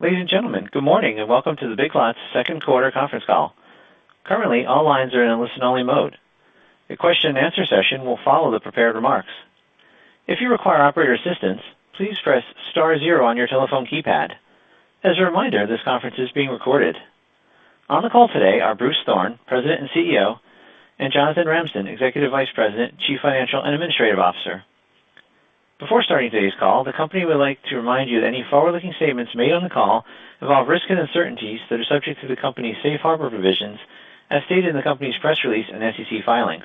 Ladies and gentlemen, good morning, welcome to Big Lots Second Quarter Conference Call. Currently, all lines are in listen-only mode. A question-and-answer session will follow the prepared remarks. If you require operator assistance, please press star zero on your telephone keypad. As a reminder, this conference is being recorded. On the call today are Bruce Thorn, President and CEO, and Jonathan Ramsden, Executive Vice President, Chief Financial and Administrative Officer. Before starting today's call, the company would like to remind you that any forward-looking statements made on the call involve risks and uncertainties that are subject to the company's safe harbor provisions as stated in the company's press release and SEC filings,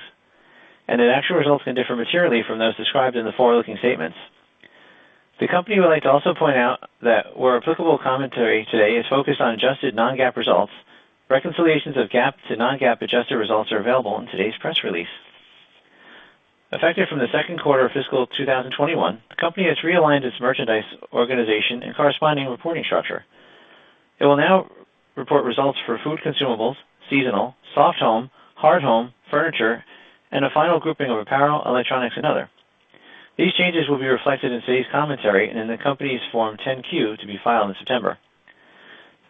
and that actual results can differ materially from those described in the forward-looking statements. The company would like to also point out that where applicable commentary today is focused on adjusted non-GAAP results, reconciliations of GAAP to non-GAAP adjusted results are available in today's press release. Effective from the second quarter of fiscal 2021, the company has realigned its merchandise organization and corresponding reporting structure. It will now report results for food consumables, seasonal, soft home, hard home, furniture, and a final grouping of apparel, electronics, and other. These changes will be reflected in today's commentary and in the company's Form 10-Q to be filed in September.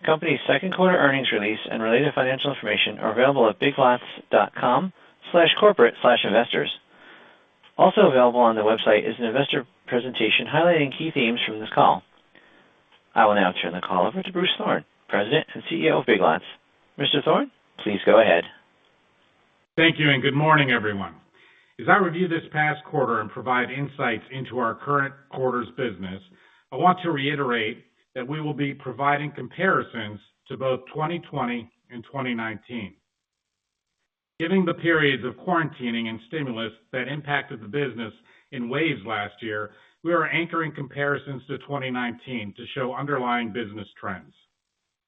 The company's second quarter earnings release and related financial information are available at biglots.com/corporate/investors. Also available on the website is an investor presentation highlighting key themes from this call. I will now turn the call over to Bruce Thorn, President and CEO of Big Lots. Mr. Thorn, please go ahead. Thank you, and good morning, everyone. As I review this past quarter and provide insights into our current quarter's business, I want to reiterate that we will be providing comparisons to both 2020 and 2019. Given the periods of quarantining and stimulus that impacted the business in waves last year, we are anchoring comparisons to 2019 to show underlying business trends.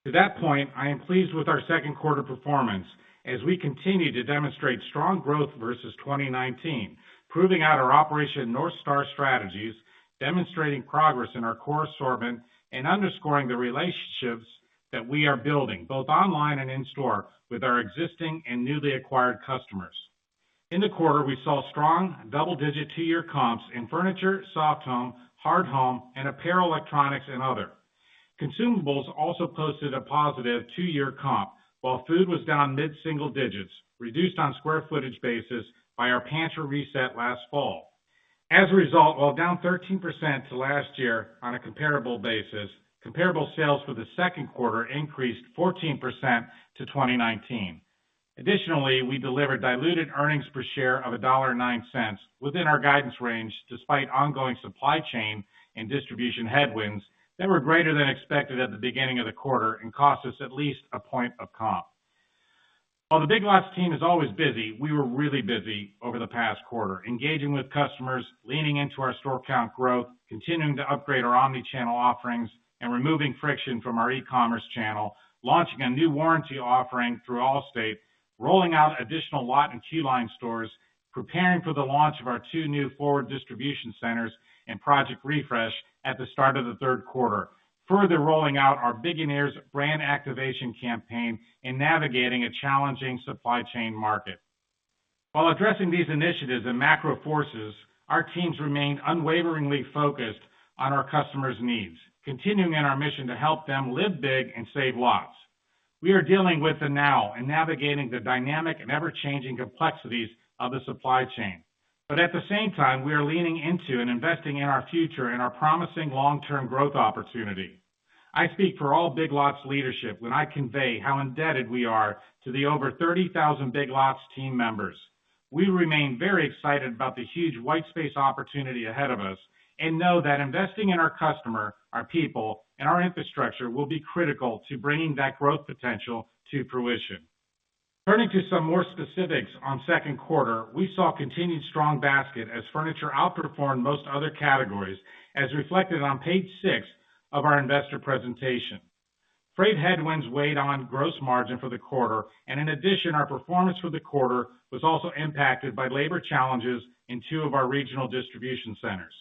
To that point, I am pleased with our second quarter performance as we continue to demonstrate strong growth versus 2019, proving out our Operation North Star strategies, demonstrating progress in our core assortment, and underscoring the relationships that we are building both online and in-store with our existing and newly acquired customers. In the quarter, we saw strong double-digit two-year comps in furniture, soft home, hard home, and apparel, electronics, and other. Consumables also posted a positive two-year comp while food was down mid-single digits, reduced on square footage basis by our pantry reset last fall. As a result, while down 13% to last year on a comparable basis, comparable sales for the second quarter increased 14% to 2019. Additionally, we delivered diluted earnings per share of $1.09 within our guidance range, despite ongoing supply chain and distribution headwinds that were greater than expected at the beginning of the quarter and cost us at least one point of comp. While the Big Lots team is always busy, we were really busy over the past quarter, engaging with customers, leaning into our store count growth, continuing to upgrade our omnichannel offerings, and removing friction from our e-commerce channel, launching a new warranty offering through Allstate, rolling out additional Lot & Queue Line stores, preparing for the launch of our two new forward distribution centers and Project Refresh at the start of the third quarter, further rolling out our BIGionaires brand activation campaign, and navigating a challenging supply chain market. While addressing these initiatives and macro forces, our teams remained unwaveringly focused on our customers' needs, continuing in our mission to help them live big and save lots. We are dealing with the now and navigating the dynamic and ever-changing complexities of the supply chain. At the same time, we are leaning into and investing in our future and our promising long-term growth opportunity. I speak for all Big Lots leadership when I convey how indebted we are to the over 30,000 Big Lots team members. We remain very excited about the huge white space opportunity ahead of us and know that investing in our customer, our people, and our infrastructure will be critical to bringing that growth potential to fruition. Turning to some more specifics on second quarter, we saw continued strong basket as furniture outperformed most other categories, as reflected on page six of our investor presentation. Freight headwinds weighed on gross margin for the quarter, and in addition, our performance for the quarter was also impacted by labor challenges in two of our regional distribution centers.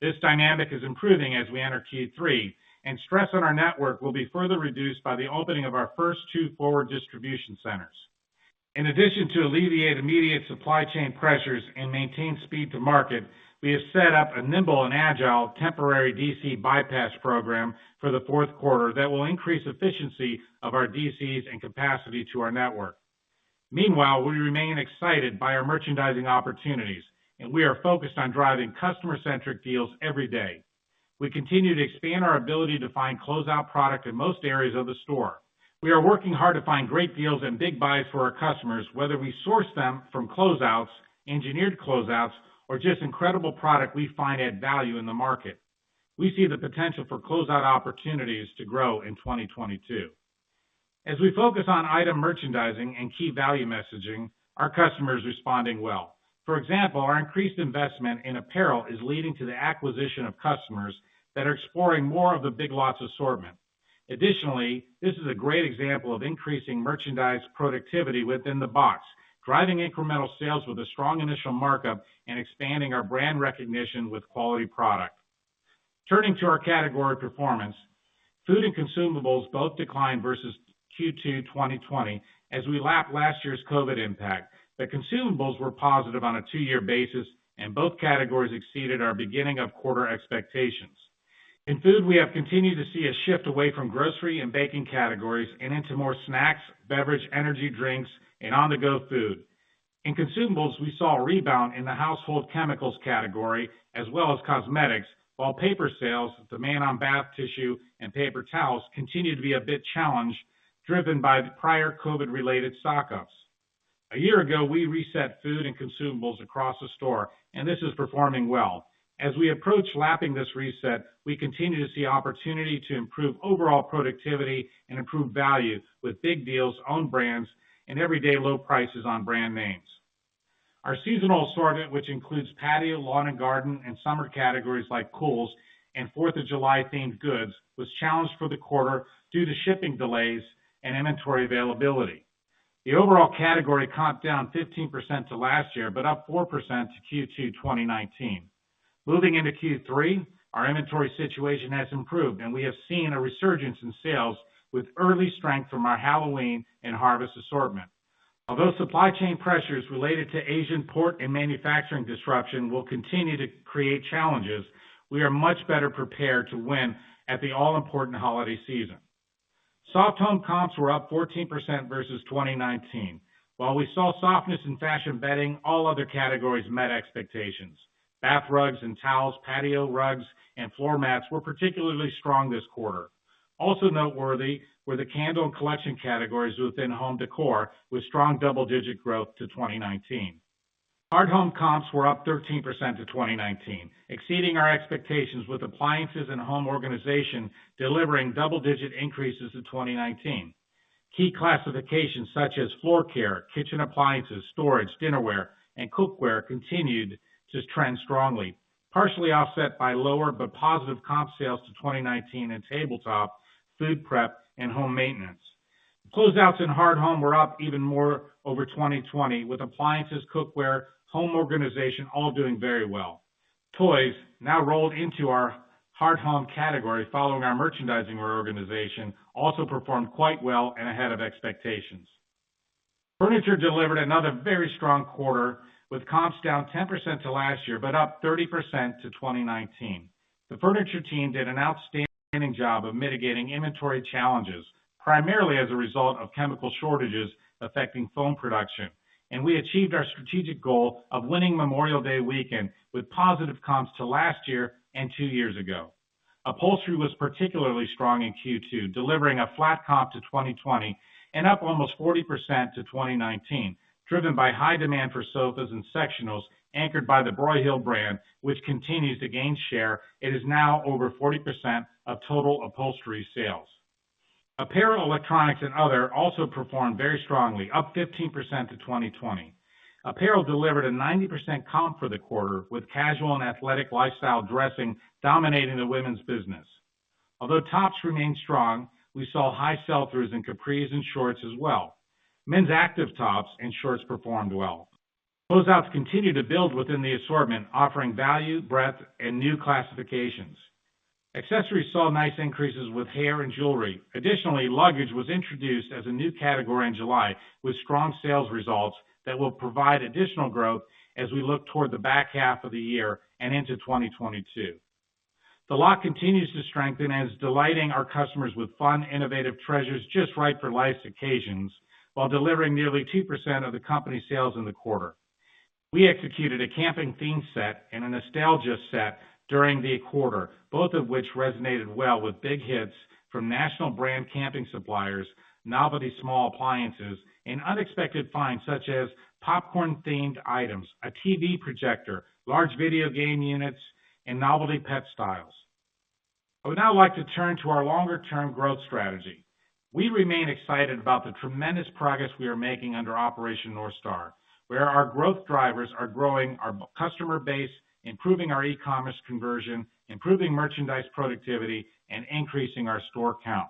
This dynamic is improving as we enter Q3, and stress on our network will be further reduced by the opening of our first two forward distribution centers. In addition to alleviate immediate supply chain pressures and maintain speed to market, we have set up a nimble and agile temporary DC bypass program for the fourth quarter that will increase efficiency of our DCs and capacity to our network. Meanwhile, we remain excited by our merchandising opportunities, and we are focused on driving customer-centric deals every day. We continue to expand our ability to find closeout product in most areas of the store. We are working hard to find great deals and big buys for our customers, whether we source them from closeouts, engineered closeouts, or just incredible product we find at value in the market. We see the potential for closeout opportunities to grow in 2022. As we focus on item merchandising and key value messaging, our customers are responding well. For example, our increased investment in apparel is leading to the acquisition of customers that are exploring more of the Big Lots assortment. Additionally, this is a great example of increasing merchandise productivity within the box, driving incremental sales with a strong initial markup and expanding our brand recognition with quality product. Turning to our category performance, food and consumables both declined versus Q2 2020, as we lap last year's COVID-19 impact, but consumables were positive on a two-year basis, and both categories exceeded our beginning of quarter expectations. In food, we have continued to see a shift away from grocery and baking categories and into more snacks, beverage, energy drinks, and on-the-go food. In consumables, we saw a rebound in the household chemicals category, as well as cosmetics, while paper sales, with demand on bath tissue and paper towels, continued to be a bit challenged, driven by the prior COVID-19 related stock-ups. A year ago, we reset food and consumables across the store. This is performing well. As we approach lapping this reset, we continue to see opportunity to improve overall productivity and improve value with big deals, own brands, and everyday low prices on brand names. Our seasonal assortment, which includes patio, lawn and garden, and summer categories like pools and Fourth of July themed goods, was challenged for the quarter due to shipping delays and inventory availability. The overall category comped down 15% to last year. Up 4% to Q2 2019. Moving into Q3, our inventory situation has improved, and we have seen a resurgence in sales with early strength from our Halloween and harvest assortment. Although supply chain pressures related to Asian port and manufacturing disruption will continue to create challenges, we are much better prepared to win at the all important holiday season. Soft home comps were up 14% vs. 2019. While we saw softness in fashion bedding, all other categories met expectations. Bath rugs and towels, patio rugs, and floor mats were particularly strong this quarter. Also noteworthy were the candle and collection categories within home decor, with strong double-digit growth to 2019. Hard home comps were up 13% to 2019, exceeding our expectations with appliances and home organization delivering double-digit increases to 2019. Key classifications such as floor care, kitchen appliances, storage, dinnerware, and cookware continued to trend strongly, partially offset by lower but positive comp sales to 2019 in tabletop, food prep, and home maintenance. Closeouts in hard home were up even more over 2020, with appliances, cookware, home organization, all doing very well. Toys, now rolled into our hard home category following our merchandising reorganization, also performed quite well and ahead of expectations. Furniture delivered another very strong quarter, with comps down 10% to last year, but up 30% to 2019. The furniture team did an outstanding job of mitigating inventory challenges, primarily as a result of chemical shortages affecting foam production. We achieved our strategic goal of winning Memorial Day weekend with positive comps to last year and two years ago. Upholstery was particularly strong in Q2, delivering a flat comp to 2020 and up almost 40% to 2019, driven by high demand for sofas and sectionals anchored by the Broyhill brand, which continues to gain share. It is now over 40% of total upholstery sales. Apparel, electronics, and other also performed very strongly, up 15% to 2020. Apparel delivered a 90% comp for the quarter, with casual and athletic lifestyle dressing dominating the women's business. Although tops remained strong, we saw high sell-throughs in capris and shorts as well. Men's active tops and shorts performed well. Closeouts continue to build within the assortment, offering value, breadth, and new classifications. Accessories saw nice increases with hair and jewelry. Additionally, luggage was introduced as a new category in July, with strong sales results that will provide additional growth as we look toward the back half of the year and into 2022. The Lot continues to strengthen and is delighting our customers with fun, innovative treasures just right for life's occasions while delivering nearly 2% of the company's sales in the quarter. We executed a camping theme set and a nostalgia set during the quarter, both of which resonated well with big hits from national brand camping suppliers, novelty small appliances, and unexpected finds such as popcorn themed items, a TV projector, large video game units, and novelty pet styles. I would now like to turn to our longer term growth strategy. We remain excited about the tremendous progress we are making under Operation North Star, where our growth drivers are growing our customer base, improving our e-commerce conversion, improving merchandise productivity, and increasing our store count.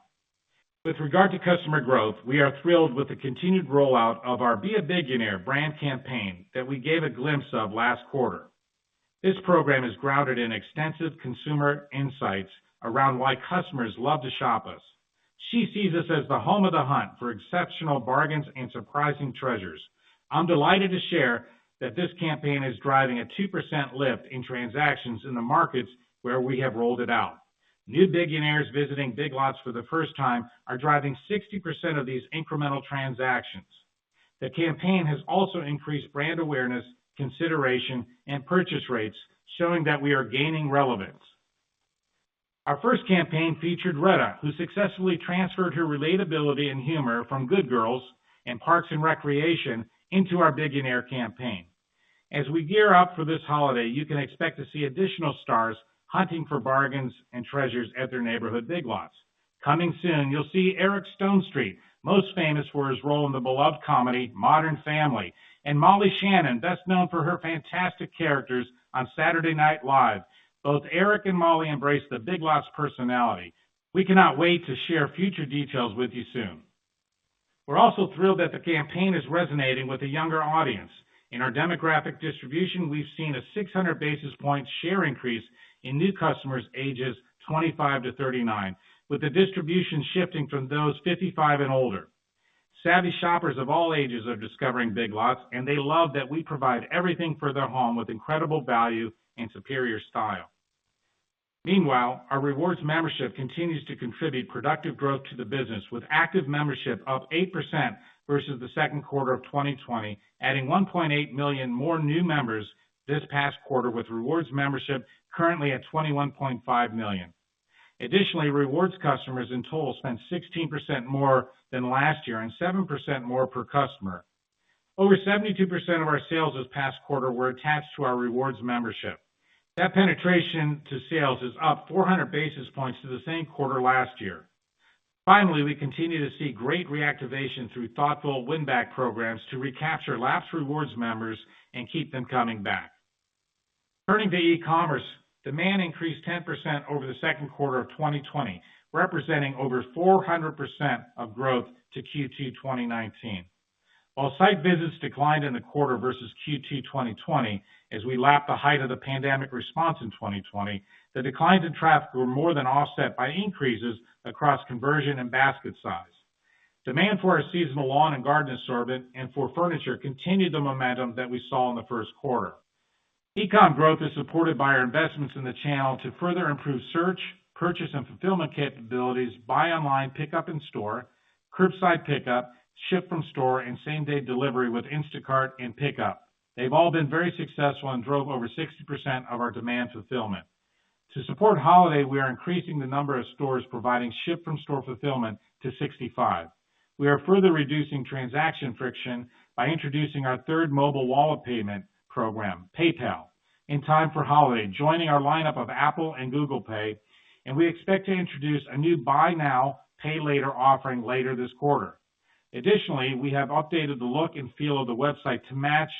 With regard to customer growth, we are thrilled with the continued rollout of our Be a BIGionaire brand campaign that we gave a glimpse of last quarter. This program is grounded in extensive consumer insights around why customers love to shop us. She sees us as the home of the hunt for exceptional bargains and surprising treasures. I'm delighted to share that this campaign is driving a 2% lift in transactions in the markets where we have rolled it out. New BIGionaire's visiting Big Lots for the first time are driving 60% of these incremental transactions. The campaign has also increased brand awareness, consideration, and purchase rates, showing that we are gaining relevance. Our first campaign featured Retta, who successfully transferred her relatability and humor from "Good Girls" and "Parks and Recreation" into our BIGionaire campaign. As we gear up for this holiday, you can expect to see additional stars hunting for bargains and treasures at their neighborhood Big Lots. Coming soon, you'll see Eric Stonestreet, most famous for his role in the beloved comedy, "Modern Family," and Molly Shannon, best known for her fantastic characters on "Saturday Night Live." Both Eric and Molly embrace the Big Lots personality. We cannot wait to share future details with you soon. We're also thrilled that the campaign is resonating with a younger audience. In our demographic distribution, we've seen a 600 basis points share increase in new customers ages 25 to 39, with the distribution shifting from those 55 and older. Savvy shoppers of all ages are discovering Big Lots, and they love that we provide everything for their home with incredible value and superior style. Meanwhile, our rewards membership continues to contribute productive growth to the business, with active membership up 8% versus the second quarter of 2020, adding 1.8 million more new members this past quarter, with rewards membership currently at 21.5 million. Additionally, rewards customers in total spent 16% more than last year and 7% more per customer. Over 72% of our sales this past quarter were attached to our rewards membership. That penetration to sales is up 400 basis points to the same quarter last year. Finally, we continue to see great reactivation through thoughtful win-back programs to recapture lapsed rewards members and keep them coming back. Turning to e-commerce, demand increased 10% over the second quarter of 2020, representing over 400% of growth to Q2 2019. While site visits declined in the quarter versus Q2 2020, as we lapped the height of the pandemic response in 2020, the declines in traffic were more than offset by increases across conversion and basket size. Demand for our seasonal lawn and garden assortment and for furniture continued the momentum that we saw in the first quarter. E-com growth is supported by our investments in the channel to further improve search, purchase, and fulfillment capabilities, buy online pickup in store, curbside pickup, ship-from-store, and same-day delivery with Instacart and PICKUP. They've all been very successful and drove over 60% of our demand fulfillment. To support holiday, we are increasing the number of stores providing ship-from-store fulfillment to 65. We are further reducing transaction friction by introducing our third mobile wallet payment program, PayPal, in time for holiday, joining our lineup of Apple Pay and Google Pay, and we expect to introduce a new buy now, pay later offering later this quarter. Additionally, we have updated the look and feel of the website to match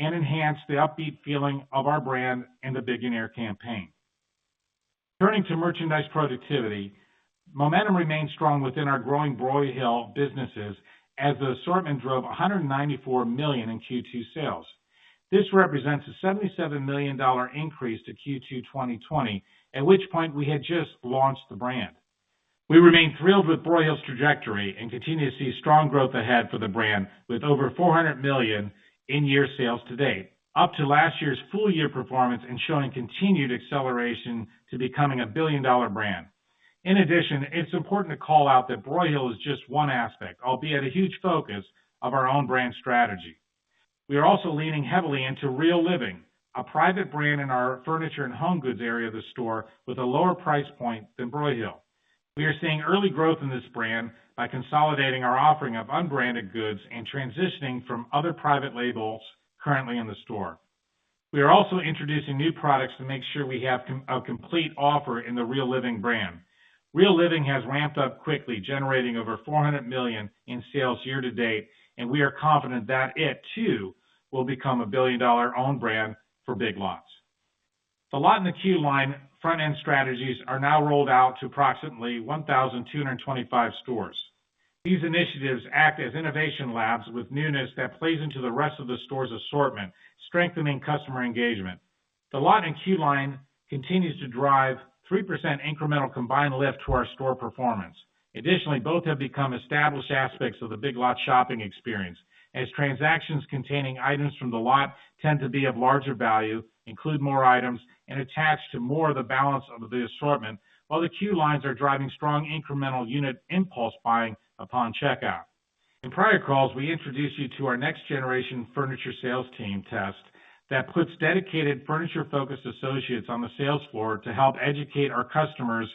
and enhance the upbeat feeling of our brand and the BIGionaire campaign. Turning to merchandise productivity, momentum remains strong within our growing Broyhill businesses as the assortment drove $194 million in Q2 sales. This represents a $77 million increase to Q2 2020, at which point we had just launched the brand. We remain thrilled with Broyhill's trajectory and continue to see strong growth ahead for the brand with over $400 million in year sales to date, up to last year's full-year performance and showing continued acceleration to becoming a billion-dollar brand. In addition, it's important to call out that Broyhill is just one aspect, albeit a huge focus, of our own brand strategy. We are also leaning heavily into Real Living, a private brand in our furniture and home goods area of the store with a lower price point than Broyhill. We are seeing early growth in this brand by consolidating our offering of unbranded goods and transitioning from other private labels currently in the store. We are also introducing new products to make sure we have a complete offer in the Real Living brand. Real Living has ramped up quickly, generating over $400 million in sales year to date, and we are confident that it too will become a billion-dollar own brand for Big Lots. The Lot and the Queue Line front-end strategies are now rolled out to approximately 1,225 stores. These initiatives act as innovation labs with newness that plays into the rest of the store's assortment, strengthening customer engagement. The Lot and Queue Line continues to drive 3% incremental combined lift to our store performance. Additionally, both have become established aspects of the Big Lots shopping experience, as transactions containing items from The Lot tend to be of larger value, include more items, and attach to more of the balance of the assortment. While the Queue Lines are driving strong incremental unit impulse buying upon checkout. In prior calls, we introduced you to our next-generation furniture sales team test that puts dedicated furniture-focused associates on the sales floor to help educate our customers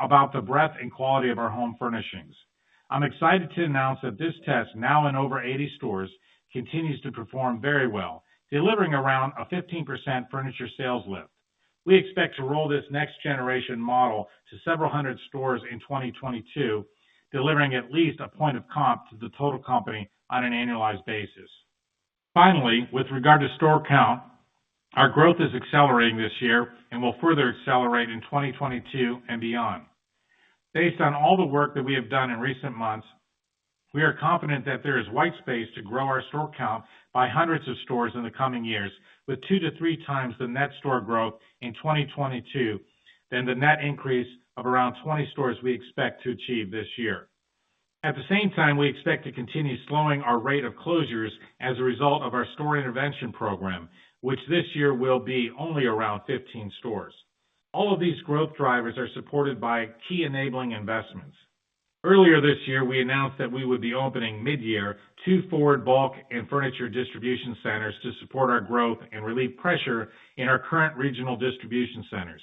about the breadth and quality of our home furnishings. I'm excited to announce that this test, now in over 80 stores, continues to perform very well, delivering around a 15% furniture sales lift. We expect to roll this next-generation model to several hundred stores in 2022, delivering at least one point of comp to the total company on an annualized basis. Finally, with regard to store count, our growth is accelerating this year and will further accelerate in 2022 and beyond. Based on all the work that we have done in recent months, we are confident that there is white space to grow our store count by hundreds of stores in the coming years, with two to 3x the net store growth in 2022 than the net increase of around 20 stores we expect to achieve this year. At the same time, we expect to continue slowing our rate of closures as a result of our store intervention program, which this year will be only around 15 stores. All of these growth drivers are supported by key enabling investments. Earlier this year, we announced that we would be opening mid-year two forward bulk and furniture distribution centers to support our growth and relieve pressure in our current regional distribution centers.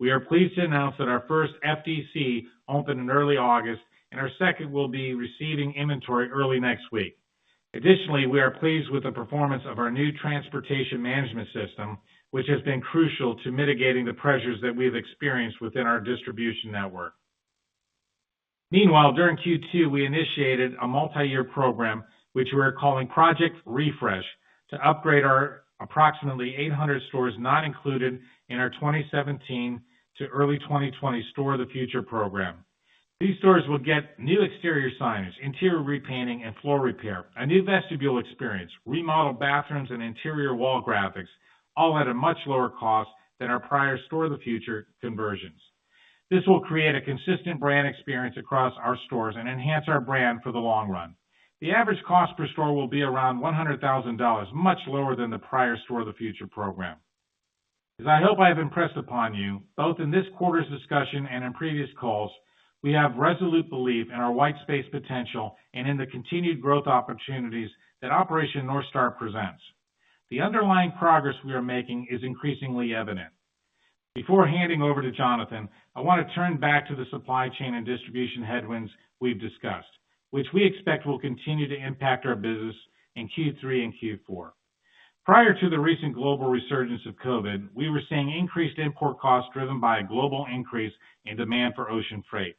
We are pleased to announce that our first FDC opened in early August, and our second will be receiving inventory early next week. Additionally, we are pleased with the performance of our new transportation management system, which has been crucial to mitigating the pressures that we've experienced within our distribution network. Meanwhile, during Q2, we initiated a multi-year program, which we're calling Project Refresh to upgrade our approximately 800 stores not included in our 2017 to early 2020 Store of the Future program. These stores will get new exterior signage, interior repainting, and floor repair, a new vestibule experience, remodeled bathrooms, and interior wall graphics, all at a much lower cost than our prior Store of the Future conversions. This will create a consistent brand experience across our stores and enhance our brand for the long run. The average cost per store will be around $100,000, much lower than the prior Store of the Future program. As I hope I have impressed upon you, both in this quarter's discussion and in previous calls, we have resolute belief in our white space potential and in the continued growth opportunities that Operation North Star presents. The underlying progress we are making is increasingly evident. Before handing over to Jonathan, I want to turn back to the supply chain and distribution headwinds we've discussed, which we expect will continue to impact our business in Q3 and Q4. Prior to the recent global resurgence of COVID, we were seeing increased import costs driven by a global increase in demand for ocean freight.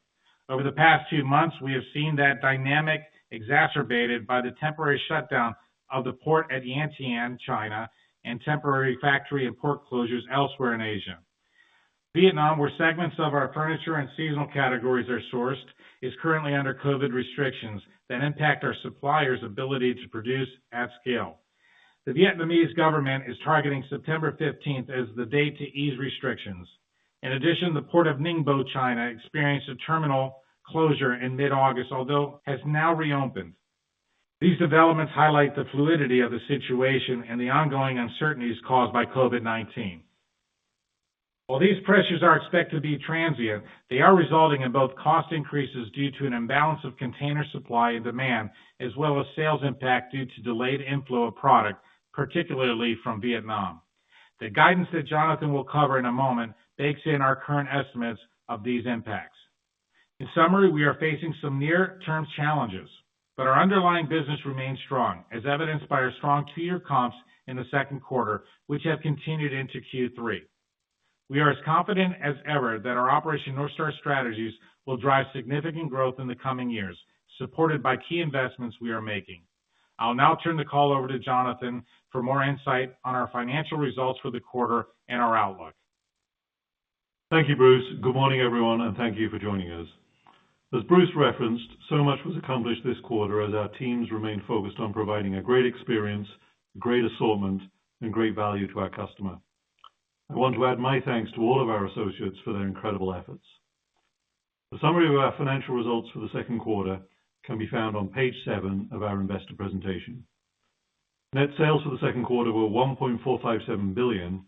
Over the past two months, we have seen that dynamic exacerbated by the temporary shutdown of the port at Yantian, China, and temporary factory and port closures elsewhere in Asia. Vietnam, where segments of our furniture and seasonal categories are sourced, is currently under COVID restrictions that impact our suppliers' ability to produce at scale. The Vietnamese government is targeting September 15th as the day to ease restrictions. In addition, the port of Ningbo, China, experienced a terminal closure in mid-August, although has now reopened. These developments highlight the fluidity of the situation and the ongoing uncertainties caused by COVID-19. While these pressures are expected to be transient, they are resulting in both cost increases due to an imbalance of container supply and demand, as well as sales impact due to delayed inflow of product, particularly from Vietnam. The guidance that Jonathan will cover in a moment bakes in our current estimates of these impacts. In summary, we are facing some near-term challenges, but our underlying business remains strong, as evidenced by our strong two-year comps in the second quarter, which have continued into Q3. We are as confident as ever that our Operation North Star strategies will drive significant growth in the coming years, supported by key investments we are making. I'll now turn the call over to Jonathan for more insight on our financial results for the quarter and our outlook. Thank you, Bruce. Good morning, everyone, and thank you for joining us. As Bruce referenced, so much was accomplished this quarter as our teams remained focused on providing a great experience, great assortment, and great value to our customer. I want to add my thanks to all of our associates for their incredible efforts. A summary of our financial results for the second quarter can be found on page seven of our investor presentation. Net sales for the second quarter were $1.457 billion,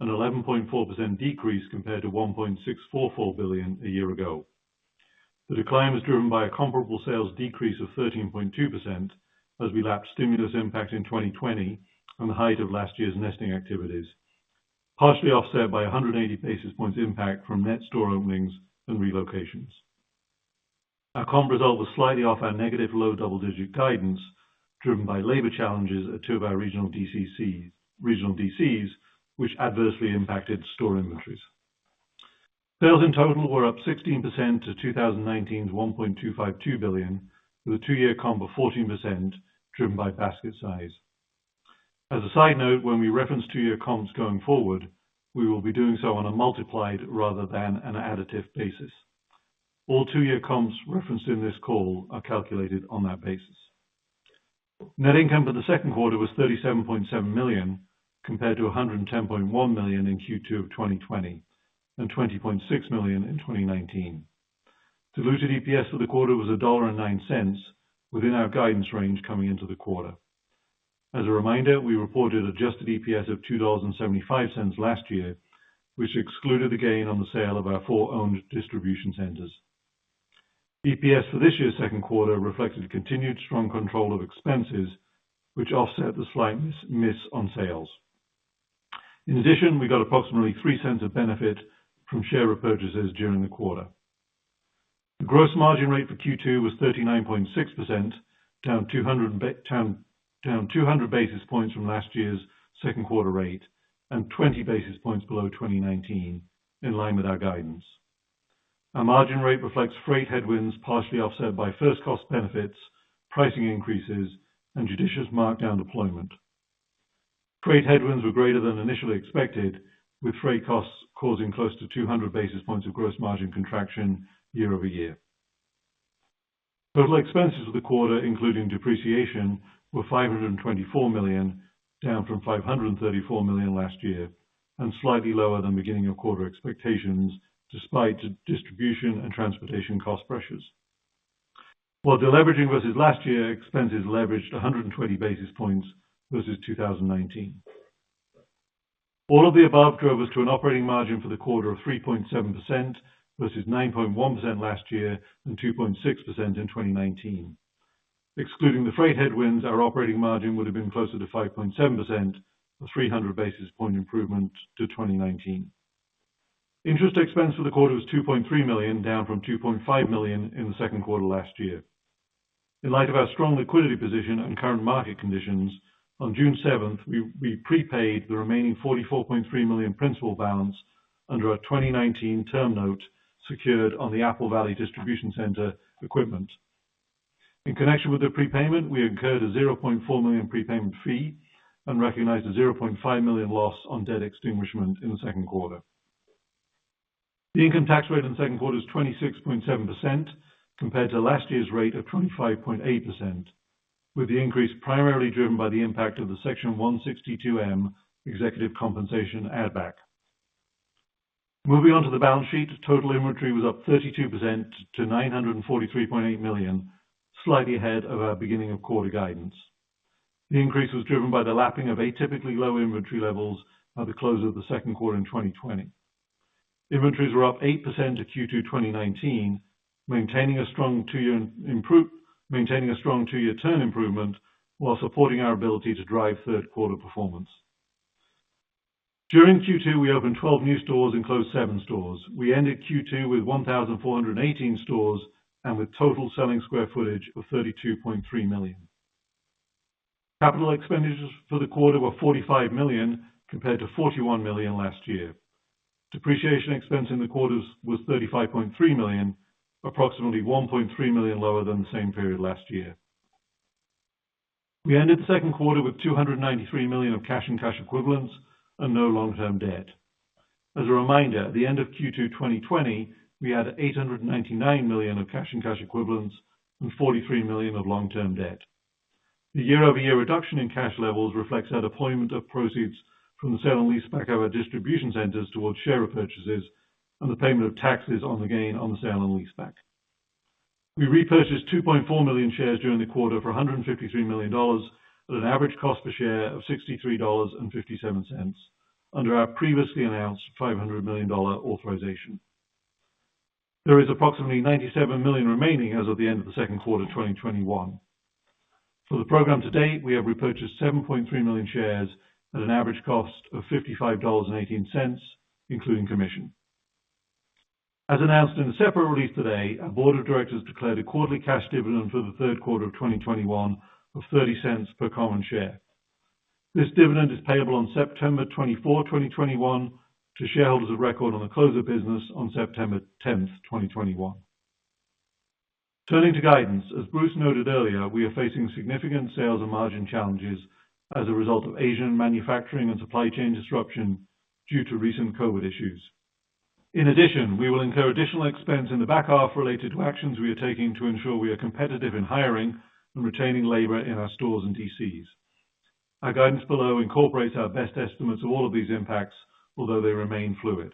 an 11.4% decrease compared to $1.644 billion a year ago. The decline was driven by a comparable sales decrease of 13.2% as we lapse stimulus impact in 2020 and the height of last year's nesting activities, partially offset by 180 basis points impact from net store openings and relocations. Our comp result was slightly off our negative low double-digit guidance, driven by labor challenges at two of our regional DCs, which adversely impacted store inventories. Sales in total were up 16% to 2019's $1.252 billion, with a two-year comp of 14%, driven by basket size. As a side note, when we reference two-year comps going forward, we will be doing so on a multiplied rather than an additive basis. All two-year comps referenced in this call are calculated on that basis. Net income for the second quarter was $37.7 million, compared to $110.1 million in Q2 of 2020 and $20.6 million in 2019. Diluted EPS for the quarter was $1.09, within our guidance range coming into the quarter. As a reminder, we reported adjusted EPS of $2.75 last year, which excluded the gain on the sale of our four owned distribution centers. EPS for this year's second quarter reflected continued strong control of expenses, which offset the slight miss on sales. In addition, we got approximately $0.03 of benefit from share repurchases during the quarter. The gross margin rate for Q2 was 39.6%, down 200 basis points from last year's second quarter rate and 20 basis points below 2019, in line with our guidance. Our margin rate reflects freight headwinds partially offset by first cost benefits, pricing increases, and judicious markdown deployment. Freight headwinds were greater than initially expected, with freight costs causing close to 200 basis points of gross margin contraction year-over-year. Total expenses of the quarter, including depreciation, were $524 million, down from $534 million last year and slightly lower than beginning of quarter expectations, despite distribution and transportation cost pressures. While deleveraging versus last year, expenses leveraged 120 basis points versus 2019. All of the above drove us to an operating margin for the quarter of 3.7% versus 9.1% last year and 2.6% in 2019. Excluding the freight headwinds, our operating margin would have been closer to 5.7%, a 300 basis point improvement to 2019. Interest expense for the quarter was $2.3 million, down from $2.5 million in the second quarter last year. In light of our strong liquidity position and current market conditions, on June 7th, we prepaid the remaining $44.3 million principal balance under our 2019 term note secured on the Apple Valley Distribution Center equipment. In connection with the prepayment, we incurred a $0.4 million prepayment fee and recognized a $0.5 million loss on debt extinguishment in the second quarter. The income tax rate in the second quarter is 26.7% compared to last year's rate of 25.8%, with the increase primarily driven by the impact of the Section 162(m) executive compensation addback. Moving on to the balance sheet, total inventory was up 32% to $943.8 million, slightly ahead of our beginning of quarter guidance. The increase was driven by the lapping of atypically low inventory levels at the close of the second quarter in 2020. Inventories were up 8% to Q2 2019, maintaining a strong two-year turn improvement while supporting our ability to drive third quarter performance. During Q2, we opened 12 new stores and closed seven stores. We ended Q2 with 1,418 stores and with total selling square footage of 32.3 million. Capital expenditures for the quarter were $45 million compared to $41 million last year. Depreciation expense in the quarters was $35.3 million, approximately $1.3 million lower than the same period last year. We ended the second quarter with $293 million of cash and cash equivalents and no long-term debt. As a reminder, at the end of Q2 2020, we had $899 million of cash and cash equivalents and $43 million of long-term debt. The year-over-year reduction in cash levels reflects our deployment of proceeds from the sale and leaseback of our distribution centers towards share repurchases and the payment of taxes on the gain on the sale and leaseback. We repurchased 2.4 million shares during the quarter for $153 million at an average cost per share of $63.57 under our previously announced $500 million authorization. There is approximately $97 million remaining as of the end of the second quarter 2021. For the program to date, we have repurchased 7.3 million shares at an average cost of $55.18, including commission. As announced in a separate release today, our board of directors declared a quarterly cash dividend for the third quarter of 2021 of $0.30 per common share. This dividend is payable on 24 September 2021, to shareholders of record on the close of business on 10th September 2021. Turning to guidance, as Bruce noted earlier, we are facing significant sales and margin challenges as a result of Asian manufacturing and supply chain disruption due to recent COVID issues. In addition, we will incur additional expense in the back half related to actions we are taking to ensure we are competitive in hiring and retaining labor in our stores and DCs. Our guidance below incorporates our best estimates of all of these impacts, although they remain fluid.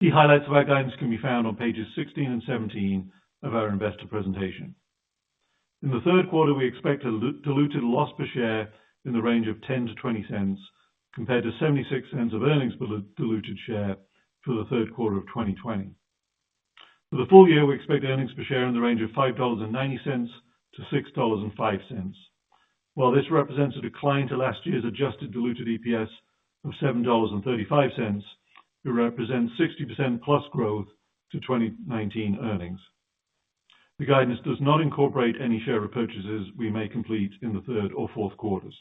Key highlights of our guidance can be found on pages 16 and 17 of our investor presentation. In the third quarter, we expect a diluted loss per share in the range of $0.10-$0.20, compared to $0.76 of earnings per diluted share for the third quarter of 2020. For the full-year, we expect earnings per share in the range of $5.90-$6.05. While this represents a decline to last year's adjusted diluted EPS of $7.35, it represents 60%+ growth to 2019 earnings. The guidance does not incorporate any share repurchases we may complete in the third or fourth quarters.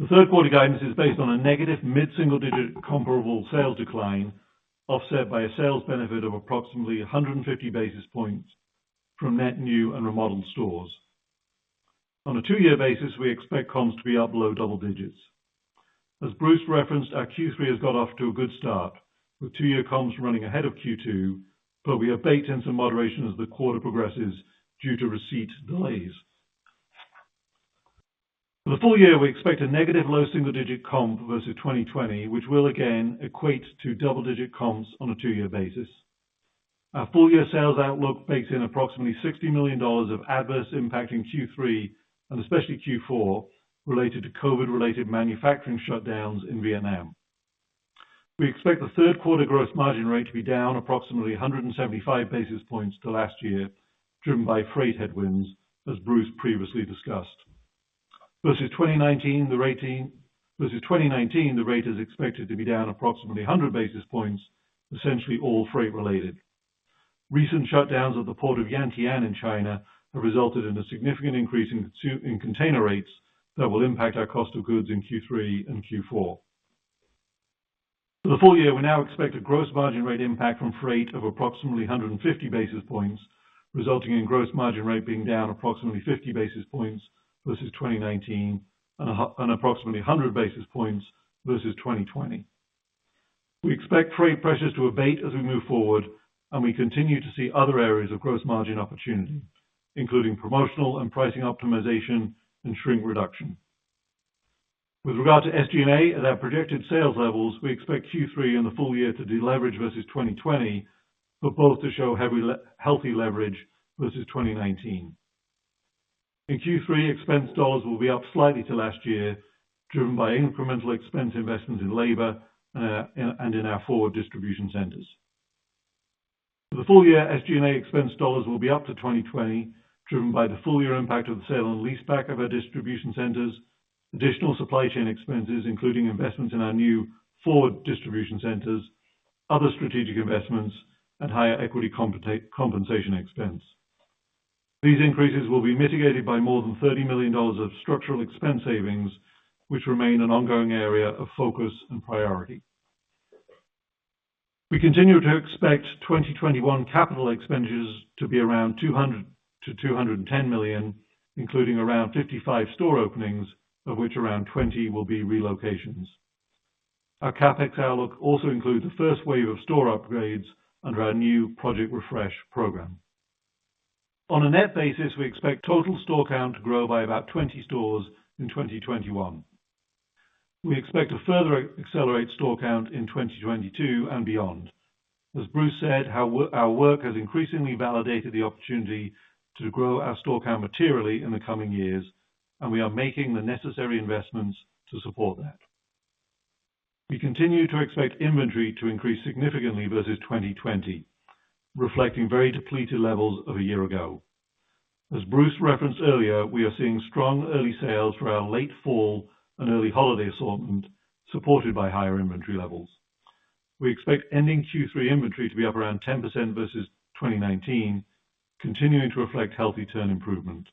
The third quarter guidance is based on a negative mid-single-digit comparable sales decline, offset by a sales benefit of approximately 150 basis points from net new and remodeled stores. On a two-year basis, we expect comps to be up low double digits. As Bruce referenced, our Q3 has got off to a good start with two-year comps running ahead of Q2, but we anticipate some moderation as the quarter progresses due to receipt delays. For the full-year, we expect a negative low single-digit comp versus 2020, which will again equate to double-digit comps on a two-year basis. Our full-year sales outlook bakes in approximately $60 million of adverse impact in Q3, and especially Q4, related to COVID-related manufacturing shutdowns in Vietnam. We expect the third quarter gross margin rate to be down approximately 175 basis points to last year, driven by freight headwinds, as Bruce previously discussed. Versus 2019, the rate is expected to be down approximately 100 basis points, essentially all freight-related. Recent shutdowns of the port of Yantian in China have resulted in a significant increase in container rates that will impact our cost of goods in Q3 and Q4. For the full-year, we now expect a gross margin rate impact from freight of approximately 150 basis points, resulting in gross margin rate being down approximately 50 basis points versus 2019 and approximately 100 basis points versus 2020. We expect freight pressures to abate as we move forward, and we continue to see other areas of gross margin opportunity, including promotional and pricing optimization and shrink reduction. With regard to SG&A at our projected sales levels, we expect Q3 and the full-year to deleverage versus 2020, but both to show healthy leverage versus 2019. In Q3, expense dollars will be up slightly to last year, driven by incremental expense investments in labor and in our forward distribution centers. For the full-year, SG&A expense dollars will be up to 2020, driven by the full-year impact of the sale and leaseback of our distribution centers, additional supply chain expenses, including investments in our new forward distribution centers, other strategic investments, and higher equity compensation expense. These increases will be mitigated by more than $30 million of structural expense savings, which remain an ongoing area of focus and priority. We continue to expect 2021 capital expenditures to be around $200 million to $210 million, including around 55 store openings, of which around 20 will be relocations. Our CapEx outlook also includes the first wave of store upgrades under our new Project Refresh program. On a net basis, we expect total store count to grow by about 20 stores in 2021. We expect to further accelerate store count in 2022 and beyond. As Bruce said, our work has increasingly validated the opportunity to grow our store count materially in the coming years, and we are making the necessary investments to support that. We continue to expect inventory to increase significantly versus 2020, reflecting very depleted levels of a year ago. As Bruce referenced earlier, we are seeing strong early sales for our late fall and early holiday assortment, supported by higher inventory levels. We expect ending Q3 inventory to be up around 10% versus 2019, continuing to reflect healthy turn improvement.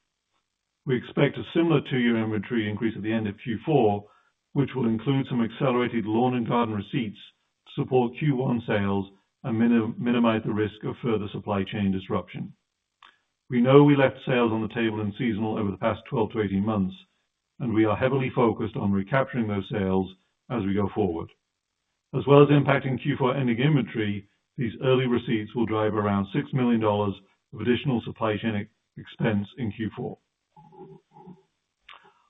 We expect a similar two-year inventory increase at the end of Q4, which will include some accelerated lawn and garden receipts to support Q1 sales and minimize the risk of further supply chain disruption. We know we left sales on the table in seasonal over the past 12 to 18 months. We are heavily focused on recapturing those sales as we go forward. As well as impacting Q4 ending inventory, these early receipts will drive around $6 million of additional supply chain expense in Q4.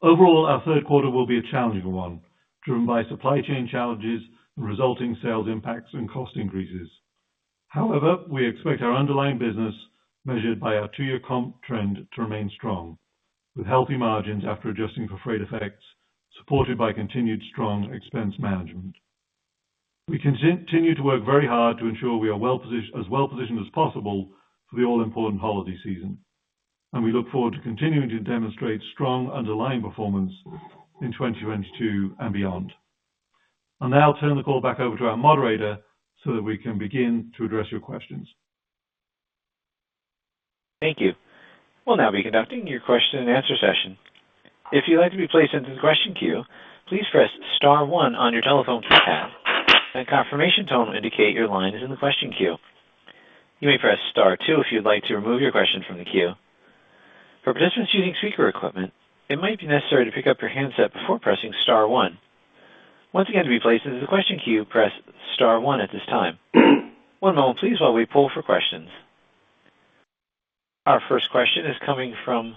Overall, our third quarter will be a challenging one, driven by supply chain challenges and resulting sales impacts and cost increases. However, we expect our underlying business, measured by our two-year comp trend, to remain strong, with healthy margins after adjusting for freight effects, supported by continued strong expense management. We continue to work very hard to ensure we are as well positioned as possible for the all-important holiday season. We look forward to continuing to demonstrate strong underlying performance in 2022 and beyond. I'll now turn the call back over to our moderator so that we can begin to address your questions. Our first question is coming from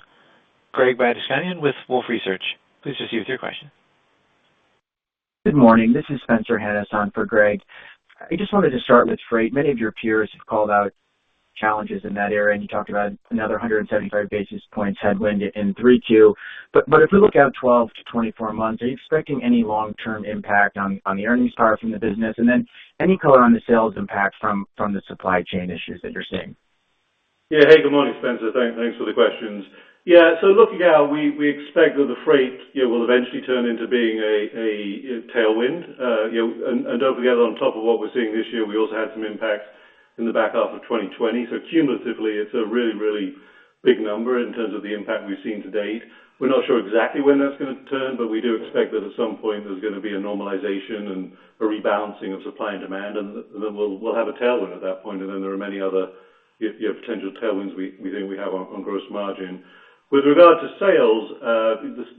Greg Badishkanian with Wolfe Research. Please proceed with your question. Good morning. This is Spencer Hanus on for Greg. I just wanted to start with freight. Many of your peers have called out challenges in that area, and you talked about another 175 basis points headwind in 3Q. If we look out 12 to 24 months, are you expecting any long-term impact on the earnings power from the business? Any color on the sales impact from the supply chain issues that you're seeing? Yeah. Hey, good morning, Spencer. Thanks for the questions. Looking out, we expect that the freight will eventually turn into being a tailwind. Don't forget, on top of what we're seeing this year, we also had some impacts in the back half of 2020. Cumulatively, it's a really big number in terms of the impact we've seen to date. We're not sure exactly when that's going to turn, but we do expect that at some point there's going to be a normalization and a rebalancing of supply and demand, and then we'll have a tailwind at that point, and then there are many other potential tailwinds we think we have on gross margin. With regard to sales,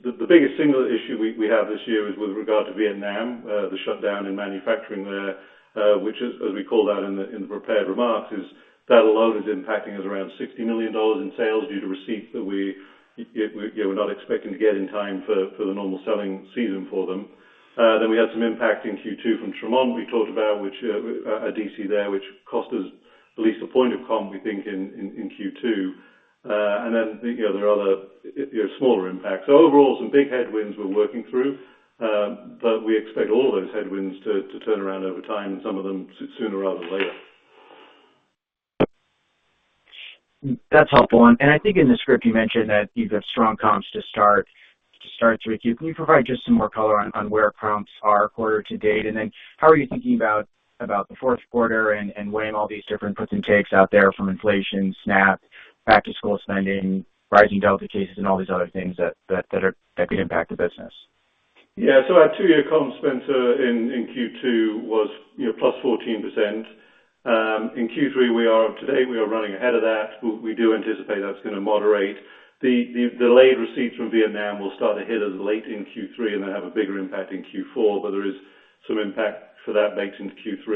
the biggest single issue we have this year is with regard to Vietnam, the shutdown in manufacturing there, which as we call that in the prepared remarks, is that alone is impacting us around $60 million in sales due to receipts that we're not expecting to get in time for the normal selling season for them. We had some impact in Q2 from Tremont we talked about, which a DC there, which cost us at least one point of comp, we think, in Q2. There are other smaller impacts. Overall, some big headwinds we're working through, but we expect all of those headwinds to turn around over time, and some of them sooner rather than later. That's helpful. I think in the script you mentioned that you've got strong comps to start 3Q. Can you provide just some more color on where comps are quarter to date? How are you thinking about the fourth quarter and weighing all these different puts and takes out there from inflation, SNAP, back-to-school spending, rising Delta cases, and all these other things that could impact the business? Yeah. Our two-year comp, Spencer, in Q2 was +14%. In Q3 to date we are running ahead of that. We do anticipate that's going to moderate. The delayed receipts from Vietnam will start to hit as late in Q3 and then have a bigger impact in Q4, but there is some impact for that baked into Q3.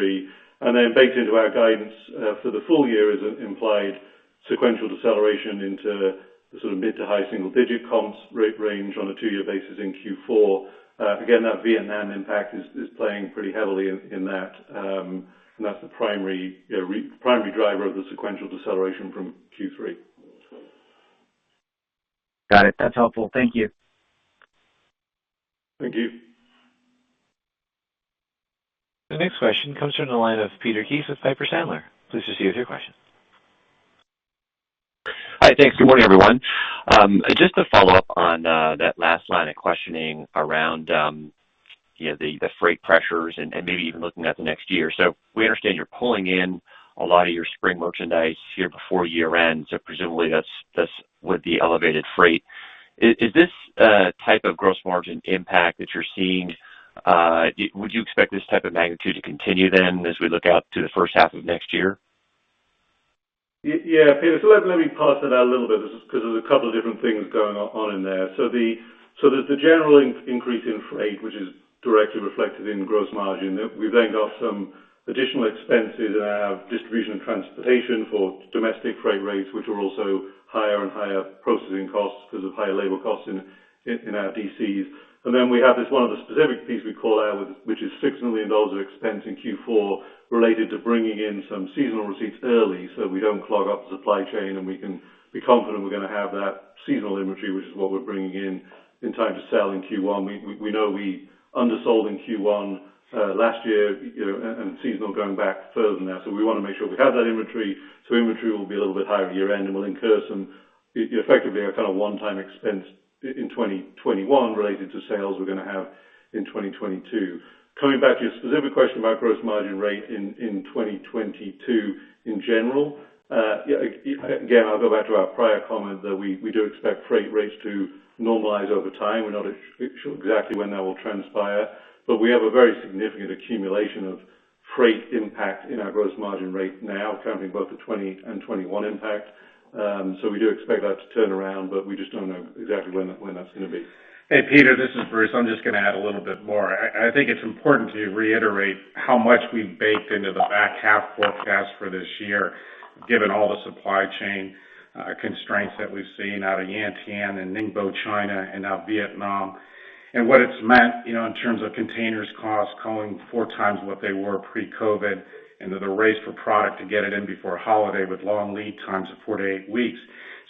Baked into our guidance for the full-year is an implied sequential deceleration into the mid to high single-digit comps range on a two-year basis in Q4. Again, that Vietnam impact is playing pretty heavily in that, and that's the primary driver of the sequential deceleration from Q3. Got it. That's helpful. Thank you. Thank you. The next question comes from the line of Peter Keith with Piper Sandler. Please proceed with your question. Hi. Thanks. Good morning, everyone. Just to follow up on that last line of questioning around the freight pressures and maybe even looking at the next year. We understand you're pulling in a lot of your spring merchandise here before year-end, so presumably this with the elevated freight. Is this type of gross margin impact that you're seeing, would you expect this type of magnitude to continue then as we look out to the first half of next year? Yeah. Peter, let me parse that out a little bit just because there's a couple of different things going on in there. There's the general increase in freight, which is directly reflected in gross margin. We've then got some additional expenses in our distribution and transportation for domestic freight rates, which are also higher, and higher processing costs because of higher labor costs in our DCs. We have this, one of the specific piece we call out, which is $6 million of expense in Q4 related to bringing in some seasonal receipts early so that we don't clog up the supply chain, and we can be confident we're going to have that seasonal inventory, which is what we're bringing in time to sell in Q1. We know we undersold in Q1 last year, and seasonal going back further than that. We want to make sure we have that inventory, so inventory will be a little bit higher at year end, and we'll incur some one-time expense in 2021 related to sales we're going to have in 2022. Coming back to your specific question about gross margin rate in 2022 in general, again, I'll go back to our prior comment that we do expect freight rates to normalize over time. We're not sure exactly when that will transpire, but we have a very significant accumulation of freight impact in our gross margin rate now, counting both the 2020 and 2021 impact. We do expect that to turn around, but we just don't know exactly when that's going to be. Hey, Peter Keith, this is Bruce Thorn. I'm just going to add a little bit more. I think it's important to reiterate how much we've baked into the back half forecast for this year, given all the supply chain constraints that we've seen out of Yantian and Ningbo, China, and now Vietnam, and what it's meant in terms of containers costs calling 4x what they were pre-COVID-19, and then the race for product to get it in before holiday with long lead times of four to eight weeks.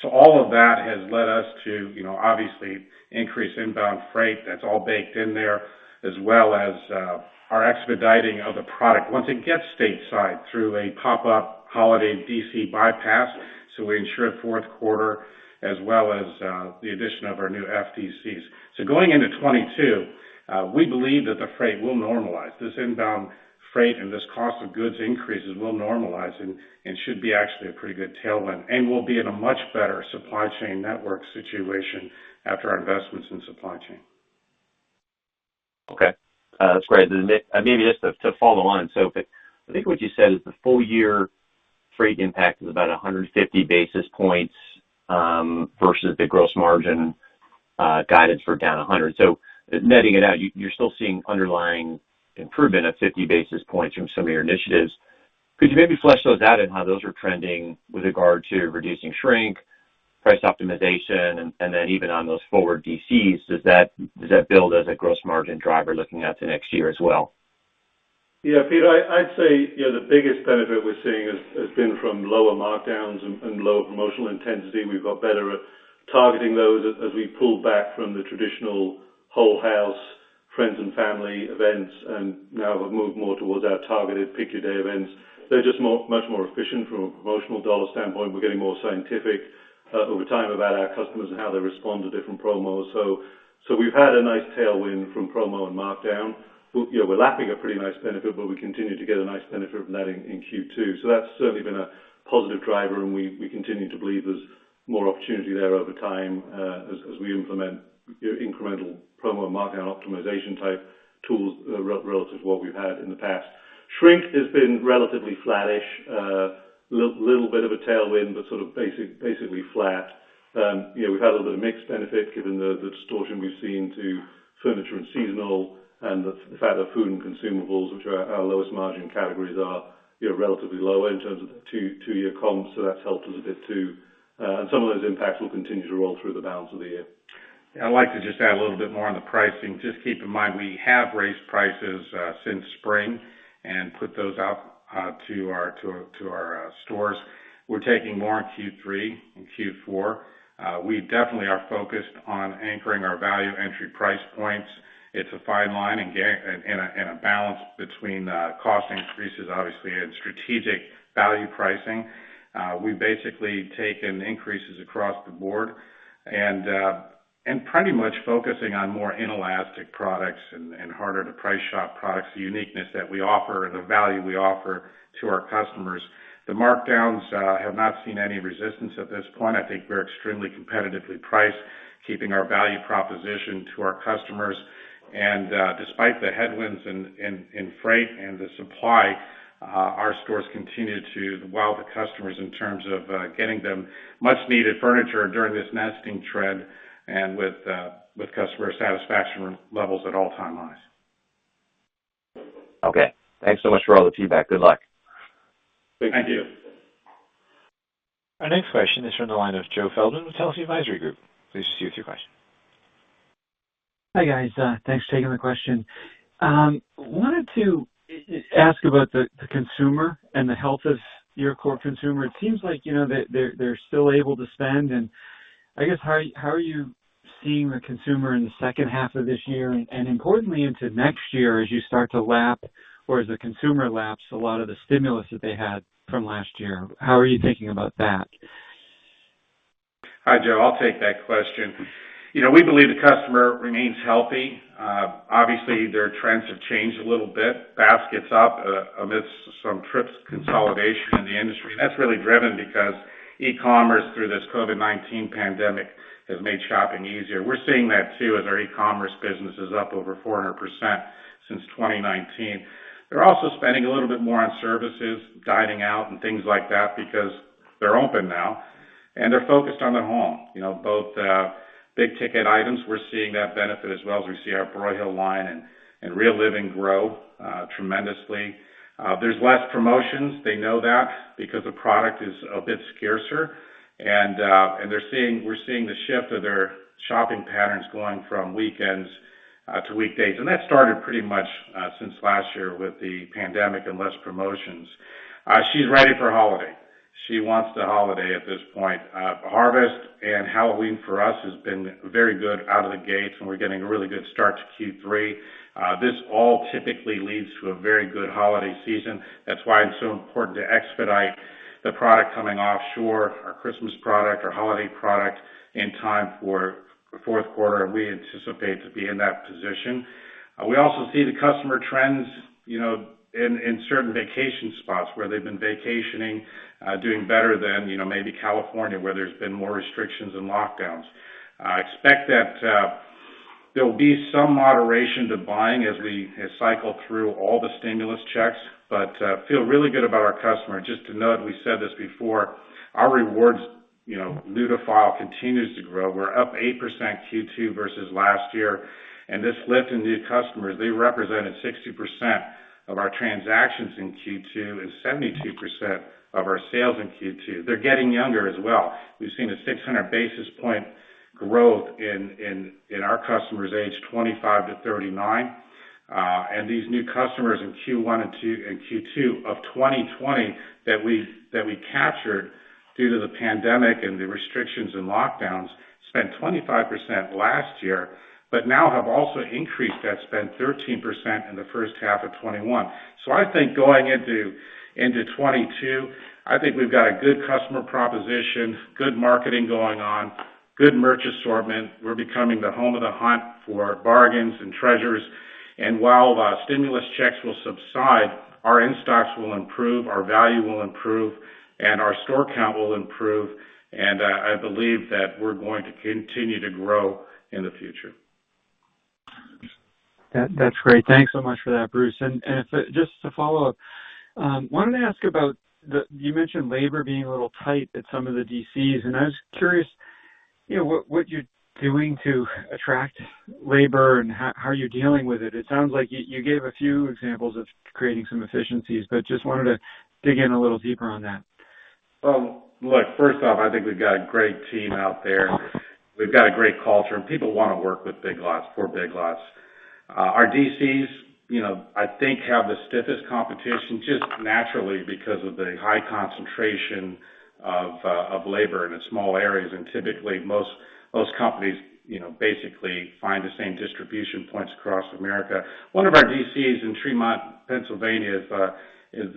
All of that has led us to obviously increase inbound freight. That's all baked in there. As well as our expediting of the product once it gets stateside through a pop-up holiday DC bypass, so we ensure fourth quarter as well as the addition of our new FDCs. Going into 2022, we believe that the freight will normalize. This inbound freight and this cost of goods increases will normalize and should be actually a pretty good tailwind, and we'll be in a much better supply chain network situation after our investments in supply chain. Okay. That's great. Maybe just to follow on, I think what you said is the full-year freight impact is about 150 basis points, versus the gross margin guidance for down 100 basis points. Netting it out, you're still seeing underlying improvement of 50 basis points from some of your initiatives. Could you maybe flesh those out and how those are trending with regard to reducing shrink, price optimization, and then even on those forward DCs, does that build as a gross margin driver looking out to next year as well? Yeah, Peter, I'd say the biggest benefit we're seeing has been from lower markdowns and lower promotional intensity. We've got better at targeting those as we pull back from the traditional whole house friends and family events, and now we've moved more towards our targeted pick your day events. They're just much more efficient from a promotional dollar standpoint. We've had a nice tailwind from promo and markdown. We're lapping a pretty nice benefit, but we continue to get a nice benefit from that in Q2. That's certainly been a positive driver, and we continue to believe there's more opportunity there over time as we implement incremental promo and markdown optimization type tools relative to what we've had in the past. Shrink has been relatively flattish. Little bit of a tailwind, but sort of basically flat. We've had a little bit of mixed benefit given the distortion we've seen to furniture and seasonal and the fact that food and consumables, which are our lowest margin categories, are relatively lower in terms of the two year comps. That's helped us a bit, too. Some of those impacts will continue to roll through the balance of the year. I'd like to just add a little bit more on the pricing. Just keep in mind, we have raised prices since spring and put those out to our stores. We're taking more in Q3 and Q4. We definitely are focused on anchoring our value entry price points. It's a fine line and a balance between cost increases, obviously, and strategic value pricing. We've basically taken increases across the board and pretty much focusing on more inelastic products and harder to price shop products the uniqueness that we offer and the value we offer to our customers. The markdowns have not seen any resistance at this point. I think we're extremely competitively priced, keeping our value proposition to our customers. Despite the headwinds in freight and the supply, our stores continue to wow the customers in terms of getting them much needed furniture during this nesting trend and with customer satisfaction levels at all-time highs. Okay. Thanks so much for all the feedback. Good luck. Thank you. Thank you. Our next question is from the line of Joe Feldman with Telsey Advisory Group. Please proceed with your question. Hi, guys. Thanks for taking the question. Wanted to ask about the consumer and the health of your core consumer. It seems like they're still able to spend, and I guess how are you seeing the consumer in the second half of this year and importantly into next year as you start to lap, or as the consumer laps a lot of the stimulus that they had from last year? How are you thinking about that? Hi, Joe. I'll take that question. We believe the customer remains healthy. Obviously, their trends have changed a little bit. Basket's up amidst some trips consolidation in the industry. That's really driven because e-commerce, through this COVID-19 pandemic, has made shopping easier. We're seeing that too, as our e-commerce business is up over 400% since 2019. They're also spending a little bit more on services, dining out, and things like that because they're open now, and they're focused on their home. Both big-ticket items, we're seeing that benefit as well as we see our Broyhill line and Real Living grow tremendously. There's less promotions. They know that because the product is a bit scarcer, and we're seeing the shift of their shopping patterns going from weekends to weekdays. That started pretty much since last year with the pandemic and less promotions. She's ready for holiday. She wants the holiday at this point. Harvest and Halloween for us has been very good out of the gates, and we're getting a really good start to Q3. This all typically leads to a very good holiday season. That's why it's so important to expedite the product coming offshore, our Christmas product, our holiday product, in time for fourth quarter, and we anticipate to be in that position. We also see the customer trends in certain vacation spots, where they've been vacationing, doing better than maybe California, where there's been more restrictions and lockdowns. I expect that there'll be some moderation to buying as we cycle through all the stimulus checks, but feel really good about our customer. Just to note, we said this before, our rewards new to file continues to grow. We're up 8% Q2 versus last year. This lift in new customers, they represented 60% of our transactions in Q2 and 72% of our sales in Q2. They're getting younger as well. We've seen a 600-basis point growth in our customers aged 25 to 39. These new customers in Q1 and Q2 of 2020 that we captured due to the pandemic and the restrictions and lockdowns spent 25% last year, but now have also increased that spend 13% in the first half of 2021. I think going into 2022, I think we've got a good customer proposition, good marketing going on, good merch assortment. We're becoming the home of the hunt for bargains and treasures. While stimulus checks will subside, our in-stocks will improve, our value will improve, and our store count will improve. I believe that we're going to continue to grow in the future. That's great. Thanks so much for that, Bruce. Just to follow up, wanted to ask about you mentioned labor being a little tight at some of the DCs, and I was curious what you're doing to attract labor and how are you dealing with it. It sounds like you gave a few examples of creating some efficiencies, just wanted to dig in a little deeper on that. First off, I think we've got a great team out there. We've got a great culture, and people want to work with Big Lots, for Big Lots. Our DCs, I think have the stiffest competition just naturally because of the high concentration of labor in the small areas, and typically most companies basically find the same distribution points across America. One of our DCs in Tremont, Pennsylvania, is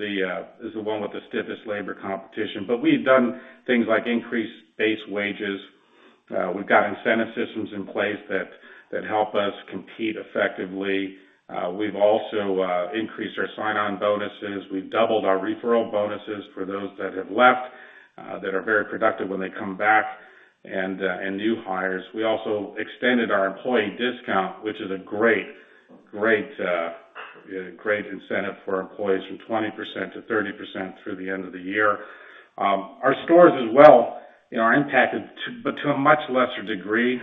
the one with the stiffest labor competition. We've done things like increase base wages. We've got incentive systems in place that help us compete effectively. We've also increased our sign-on bonuses. We've doubled our referral bonuses for those that have left, that are very productive when they come back, and new hires. We also extended our employee discount, which is a great incentive for our employees, from 20% to 30% through the end of the year. Our stores as well are impacted, but to a much lesser degree.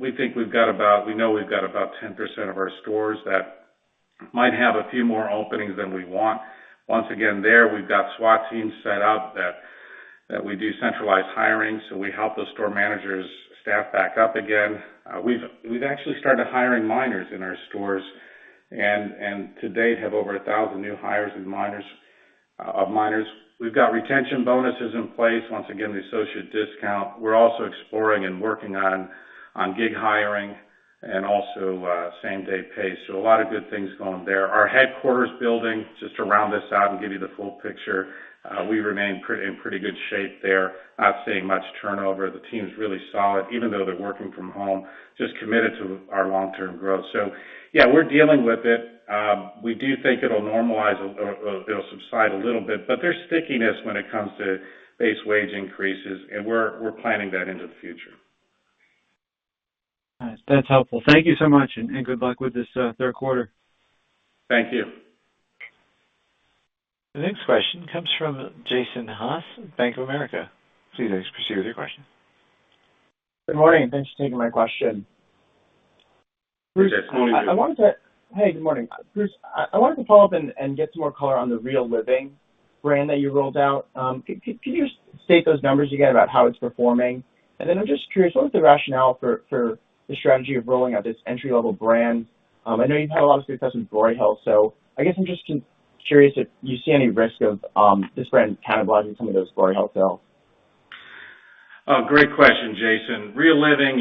We know we've got about 10% of our stores that might have a few more openings than we want. Once again, there, we've got SWAT teams set up that we do centralized hiring, so we help those store managers staff back up again. We've actually started hiring minors in our stores, and to date have over 1,000 new hires of minors. We've got retention bonuses in place, once again, the associate discount. We're also exploring and working on gig hiring and also same-day pay. A lot of good things going there. Our headquarters building, just to round this out and give you the full picture, we remain in pretty good shape there. Not seeing much turnover. The team's really solid, even though they're working from home, just committed to our long-term growth. Yeah, we're dealing with it. We do think it'll subside a little bit, but there's stickiness when it comes to base wage increases, and we're planning that into the future. That's helpful. Thank you so much, and good luck with this third quarter. Thank you. The next question comes from Jason Haas, Bank of America. Please proceed with your question. Good morning. Thanks for taking my question. Jason, how are you? Good morning. Bruce, I wanted to follow up and get some more color on the Real Living brand that you rolled out. Can you just state those numbers again about how it's performing? I'm just curious, what was the rationale for the strategy of rolling out this entry-level brand? I know you've had a lot of success with Broyhill, I guess I'm just curious if you see any risk of this brand cannibalizing some of those Broyhill sales. Great question, Jason. Real Living.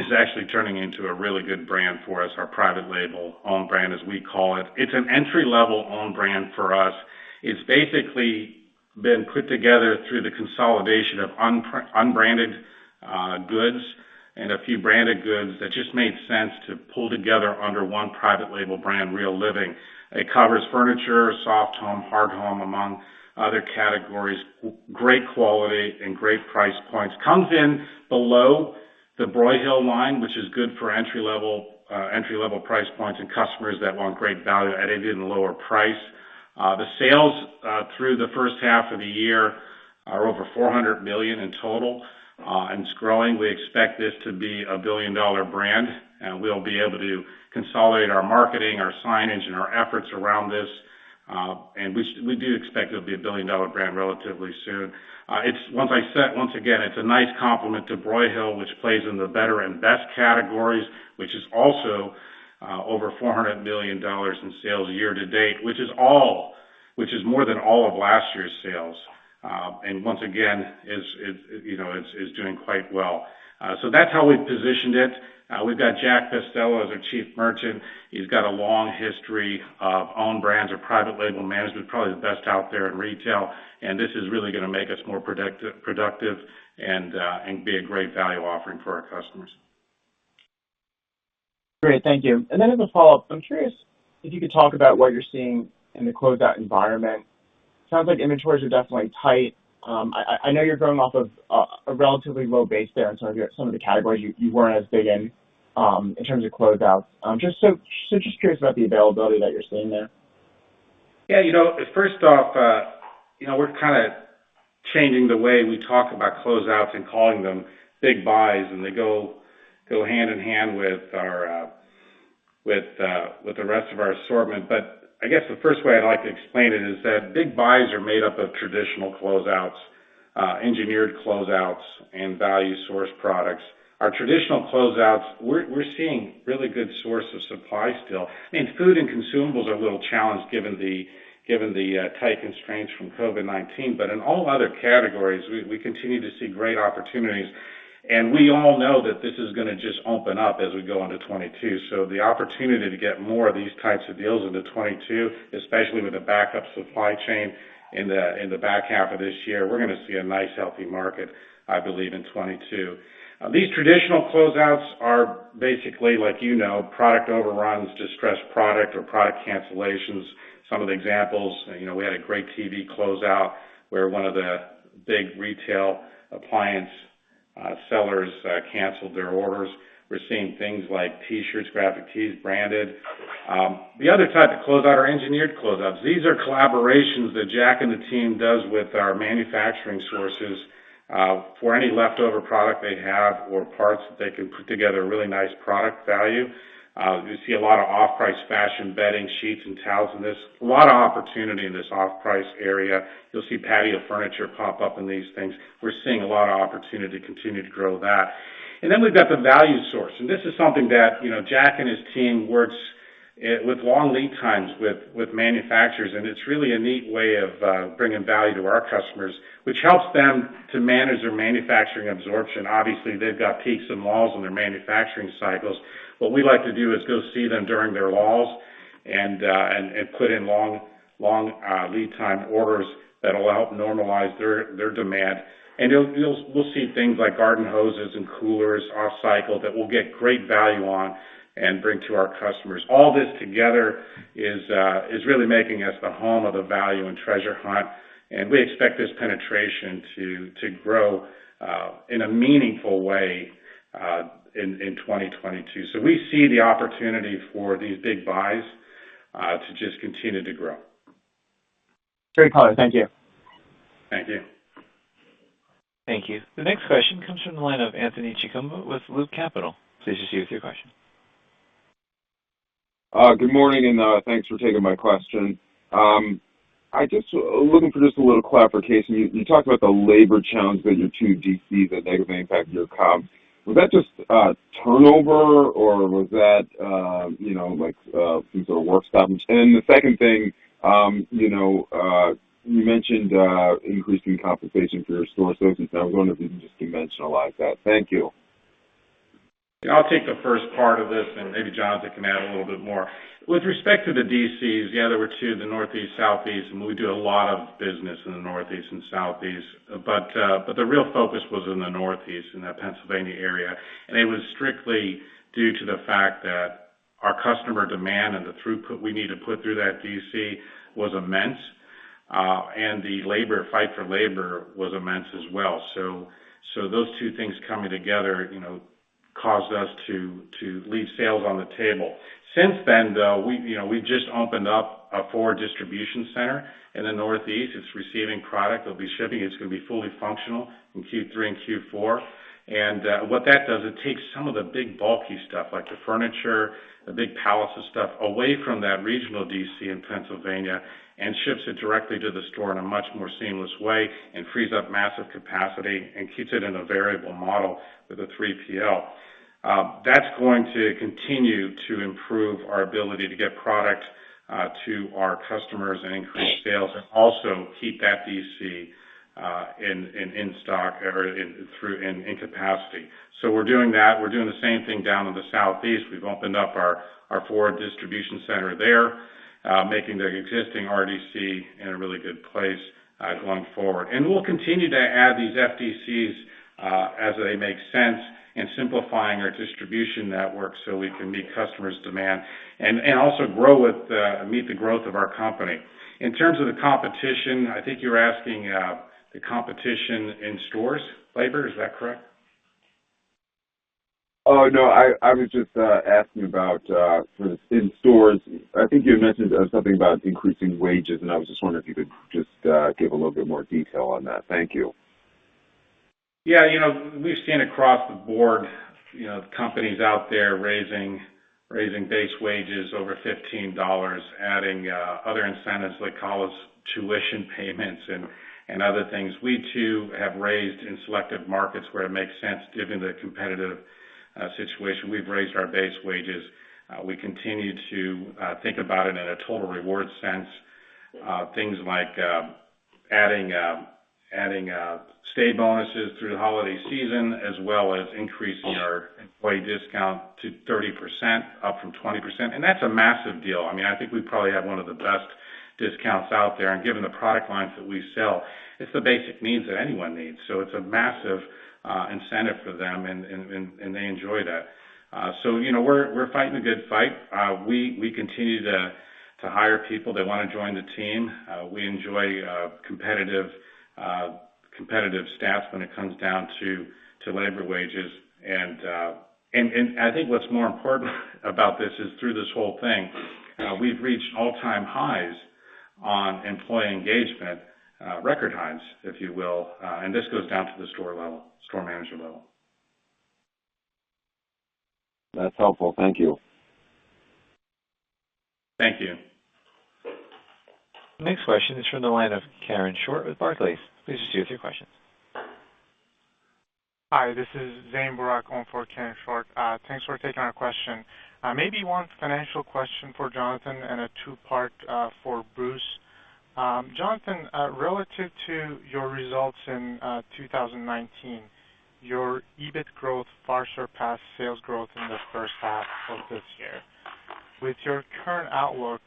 It's actually turning into a really good brand for us, our private label, own brand, as we call it. It's an entry-level own brand for us. It's basically been put together through the consolidation of unbranded goods and a few branded goods that just made sense to pull together under one private label brand, Real Living. It covers furniture, soft home, hard home, among other categories. Great quality and great price points. Comes in below the Broyhill line, which is good for entry-level price points and customers that want great value added in the lower price. The sales through the first half of the year are over $400 million in total, and it's growing. We expect this to be a billion-dollar brand, and we'll be able to consolidate our marketing, our signage, and our efforts around this. We do expect it'll be a billion-dollar brand relatively soon. Once again, it's a nice complement to Broyhill, which plays in the better and best categories, which is also over $400 million in sales year-to-date, which is more than all of last year's sales. Once again, it's doing quite well. That's how we've positioned it. We've got Jack Costello as our Chief Merchant. He's got a long history of own brands or private label management, probably the best out there in retail, and this is really going to make us more productive and be a great value offering for our customers. Great, thank you. As a follow-up, I'm curious if you could talk about what you're seeing in the closeout environment. Sounds like inventories are definitely tight. I know you're growing off of a relatively low base there in some of the categories you weren't as big in terms of closeouts. Just curious about the availability that you're seeing there. First off, we're changing the way we talk about closeouts and calling them big buys, and they go hand in hand with the rest of our assortment. I guess the first way I'd like to explain it is that big buys are made up of traditional closeouts, engineered closeouts, and value source products. Our traditional closeouts, we're seeing really good source of supply still, and food and consumables are a little challenged given the tight constraints from COVID-19. In all other categories, we continue to see great opportunities, and we all know that this is going to just open up as we go into 2022. The opportunity to get more of these types of deals into 2022, especially with a backup supply chain in the back half of this year, we're going to see a nice, healthy market, I believe, in 2022. These traditional closeouts are basically, like you know, product overruns, distressed product, or product cancellations. Some of the examples, we had a great TV closeout where one of the big retail appliance sellers canceled their orders. We're seeing things like T-shirts, graphic tees, branded. The other type of closeout are engineered closeouts. These are collaborations that Jack and the team does with our manufacturing sources for any leftover product they have or parts that they can put together a really nice product value. You see a lot of off-price fashion, bedding, sheets, and towels in this. A lot of opportunity in this off-price area. You'll see patio furniture pop up in these things. We're seeing a lot of opportunity to continue to grow that. Then we've got the value source, and this is something that Jack and his team works with long lead times with manufacturers, and it's really a neat way of bringing value to our customers, which helps them to manage their manufacturing absorption. Obviously, they've got peaks and lulls in their manufacturing cycles. What we like to do is go see them during their lulls and put in long lead time orders that'll help normalize their demand. We'll see things like garden hoses and coolers off cycle that we'll get great value on and bring to our customers. All this together is really making us the home of the value and treasure hunt, and we expect this penetration to grow in a meaningful way in 2022. We see the opportunity for these big buys to just continue to grow. Great color. Thank you. Thank you. Thank you. The next question comes from the line of Anthony Chukumba with Loop Capital. Pleased to see you with your question. Good morning. Thanks for taking my question. I'm just looking for a little clarification. You talked about the labor challenge that your two DCs, the negative impact of your comp. Was that just turnover or was that things are worse? The second thing, you mentioned increasing compensation for your store associates. I was wondering if you can just dimensionalize that. Thank you. I'll take the first part of this, and maybe Jonathan can add a little bit more. With respect to the DCs, yeah, there were two, the Northeast, Southeast, and we do a lot of business in the Northeast and Southeast. The real focus was in the Northeast, in that Pennsylvania area, and it was strictly due to the fact that our customer demand and the throughput we need to put through that DC was immense, and the fight for labor was immense as well. Those two things coming together caused us to leave sales on the table. Since then, though, we've just opened up a forward distribution center in the Northeast. It's receiving product. It'll be shipping. It's going to be fully functional in Q3 and Q4. What that does, it takes some of the big bulky stuff, like the furniture, the big pallets of stuff, away from that regional DC in Pennsylvania and ships it directly to the store in a much more seamless way and frees up massive capacity and keeps it in a variable model with a 3PL. That's going to continue to improve our ability to get product to our customers and increase sales, and also keep that DC in stock or in capacity. We're doing that. We're doing the same thing down in the southeast. We've opened up our forward distribution center there, making their existing RDC in a really good place going forward. We'll continue to add these FDCs as they make sense in simplifying our distribution network so we can meet customers' demand, and also meet the growth of our company. In terms of the competition, I think you're asking the competition in stores, labor. Is that correct? Oh, no. I was just asking about in stores. I think you had mentioned something about increasing wages, and I was just wondering if you could just give a little bit more detail on that. Thank you. We've seen across the board, companies out there raising base wages over $15, adding other incentives like college tuition payments and other things. We, too, have raised in selective markets where it makes sense, given the competitive situation. We've raised our base wages. We continue to think about it in a total reward sense. Things like adding stay bonuses through the holiday season, as well as increasing our employee discount to 30%, up from 20%. That's a massive deal. I think we probably have one of the best discounts out there, and given the product lines that we sell, it's the basic needs that anyone needs. It's a massive incentive for them, and they enjoy that. We're fighting the good fight. We continue to hire people that want to join the team. We enjoy competitive stats when it comes down to labor wages. I think what's more important about this is through this whole thing, we've reached all-time highs on employee engagement, record highs, if you will. This goes down to the store level, store manager level. That's helpful. Thank you. Thank you. Next question is from the line of Karen Short with Barclays. Please just give your question. Hi, this is Zain Abrar calling for Karen Short. Thanks for taking our question. Maybe one financial question for Jonathan and a two-part for Bruce. Jonathan, relative to your results in 2019, your EBIT growth far surpassed sales growth in the first half of this year. With your current outlook,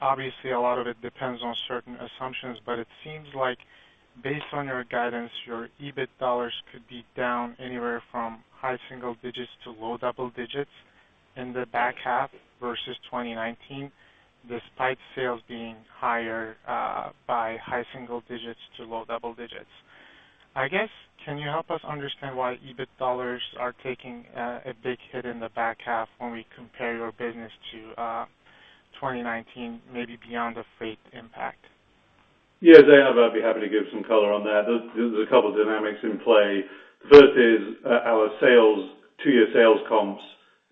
obviously a lot of it depends on certain assumptions, but it seems like based on your guidance, your EBIT dollars could be down anywhere from high single digits to low double digits in the back half versus 2019, despite sales being higher by high single digits to low double digits. I guess, can you help us understand why EBIT dollars are taking a big hit in the back half when we compare your business to 2019, maybe beyond the freight impact? Yeah, Zain, I'd be happy to give some color on that. There's a couple of dynamics in play. First is our two-year sales comps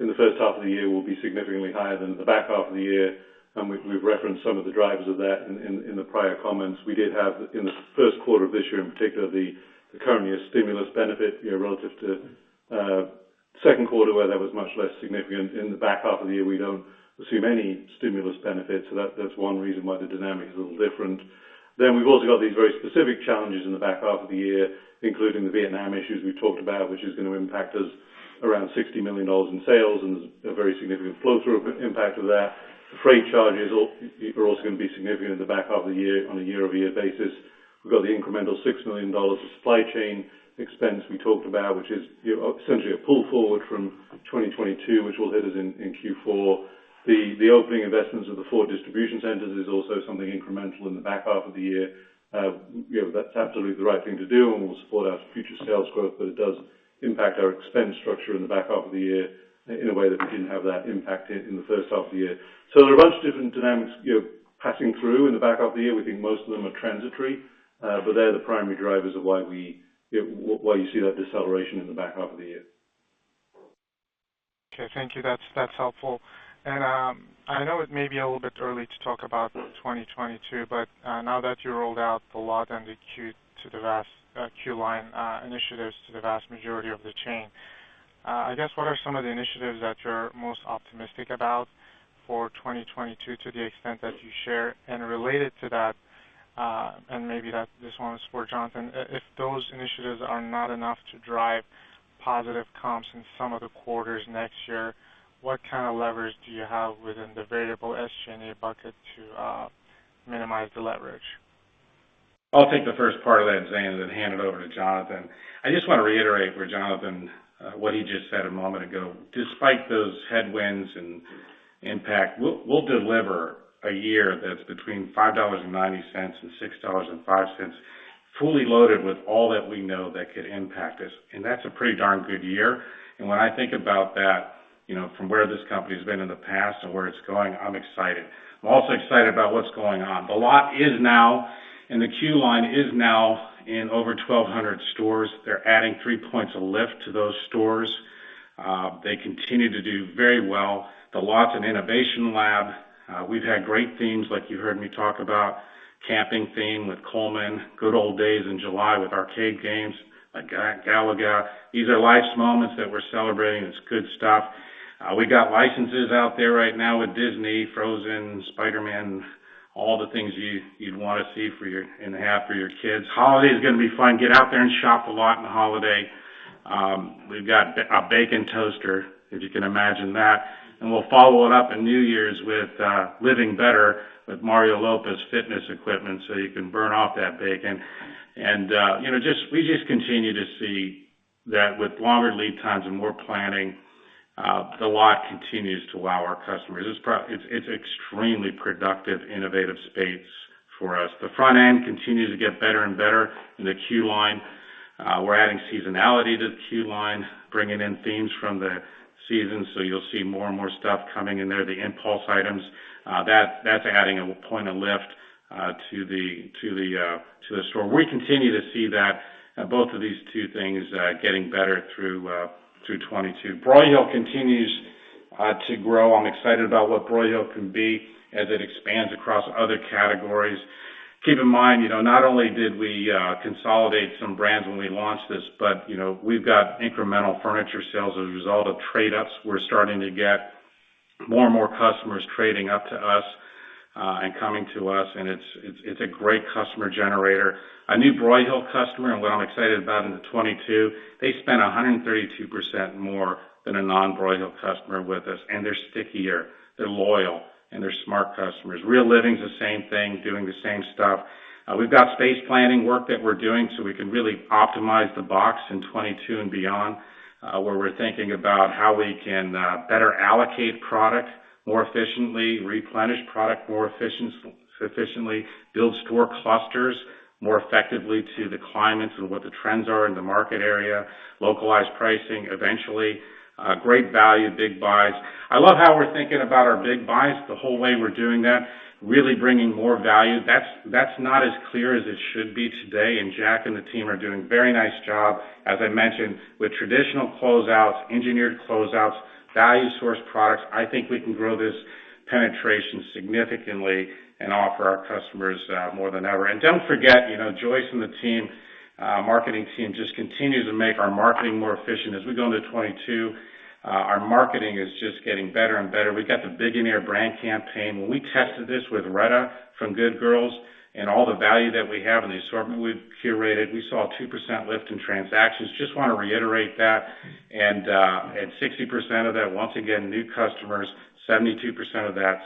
in the first half of the year will be significantly higher than in the back half of the year, and we've referenced some of the drivers of that in the prior comments. We did have, in the first quarter of this year in particular, the current year stimulus benefit, relative to second quarter, where that was much less significant. In the back half of the year, we don't assume any stimulus benefit. That's one reason why the dynamic is a little different. We've also got these very specific challenges in the back half of the year, including the Vietnam issues we talked about, which is going to impact us around $60 million in sales, and there's a very significant flow-through impact of that. The freight charges are also going to be significant in the back half of the year on a year-over-year basis. We've got the incremental $6 million of supply chain expense we talked about, which is essentially a pull forward from 2022, which will hit us in Q4. The opening investments of the forward distribution centers is also something incremental in the back half of the year. That's absolutely the right thing to do and will support our future sales growth, but it does impact our expense structure in the back half of the year in a way that we didn't have that impact in the first half of the year. There are a bunch of different dynamics passing through in the back half of the year. We think most of them are transitory. They're the primary drivers of why you see that deceleration in the back half of the year. Okay, thank you. That's helpful. I know it may be a little bit early to talk about 2022, but now that you rolled out The Lot and the Queue Line initiatives to the vast majority of the chain, I guess, what are some of the initiatives that you're most optimistic about for 2022 to the extent that you share? Related to that, and maybe this one is for Jonathan, if those initiatives are not enough to drive positive comps in some of the quarters next year, what kind of leverage do you have within the variable SG&A bucket to minimize the leverage? I'll take the first part of that, Zain, then hand it over to Jonathan. I just want to reiterate for Jonathan what he just said a moment ago. Despite those headwinds and impact, we'll deliver a year that's between $5.90 and $6.05, fully loaded with all that we know that could impact us. That's a pretty darn good year. When I think about that, from where this company's been in the past and where it's going, I'm excited. I'm also excited about what's going on. The Lot is now and the Queue Line is now in over 1,200 stores. They're adding three points of lift to those stores. They continue to do very well. The Lot and Innovation Lab, we've had great themes like you heard me talk about, camping theme with Coleman, good old days in July with arcade games, like Galaga. These are life's moments that we're celebrating. It's good stuff. We got licenses out there right now with Disney, Frozen, Spider-Man, all the things you'd want to see and have for your kids. Holiday is going to be fun. Get out there and shop a lot in the holiday. We've got a bacon toaster, if you can imagine that, and we'll follow it up in New Year's with Living Better with Mario Lopez fitness equipment, so you can burn off that bacon. We just continue to see that with longer lead times and more planning, The Lot continues to wow our customers. It's extremely productive, innovative space for us. The front end continues to get better and better in the Queue Line. We're adding seasonality to the Queue Line, bringing in themes from the season. You'll see more and more stuff coming in there, the impulse items. That's adding one point of lift to the store. We continue to see both of these two things getting better through 2022. Broyhill continues to grow. I'm excited about what Broyhill can be as it expands across other categories. Keep in mind, not only did we consolidate some brands when we launched this, but we've got incremental furniture sales as a result of trade-ups. We're starting to get more and more customers trading up to us and coming to us. It's a great customer generator. A new Broyhill customer, and what I'm excited about into 2022, they spend 132% more than a non-Broyhill customer with us. They're stickier. They're loyal. They're smart customers. Real Living is the same thing, doing the same stuff. We've got space planning work that we're doing, so we can really optimize the box in 2022 and beyond, where we're thinking about how we can better allocate product more efficiently, replenish product more efficiently, build store clusters more effectively to the climates and what the trends are in the market area, localized pricing eventually. Great value, big buys. I love how we're thinking about our big buys, the whole way we're doing that, really bringing more value. That's not as clear as it should be today, Jack and the team are doing a very nice job, as I mentioned, with traditional closeouts, engineered closeouts, value source products. I think we can grow this penetration significantly and offer our customers more than ever. Don't forget, Joyce and the team, marketing team just continues to make our marketing more efficient. As we go into 2022, our marketing is just getting better and better. We got the BIGionaire brand campaign. When we tested this with Retta from Good Girls and all the value that we have and the assortment we've curated, we saw a 2% lift in transactions. Just want to reiterate that. 60% of that, once again, new customers, 72% of that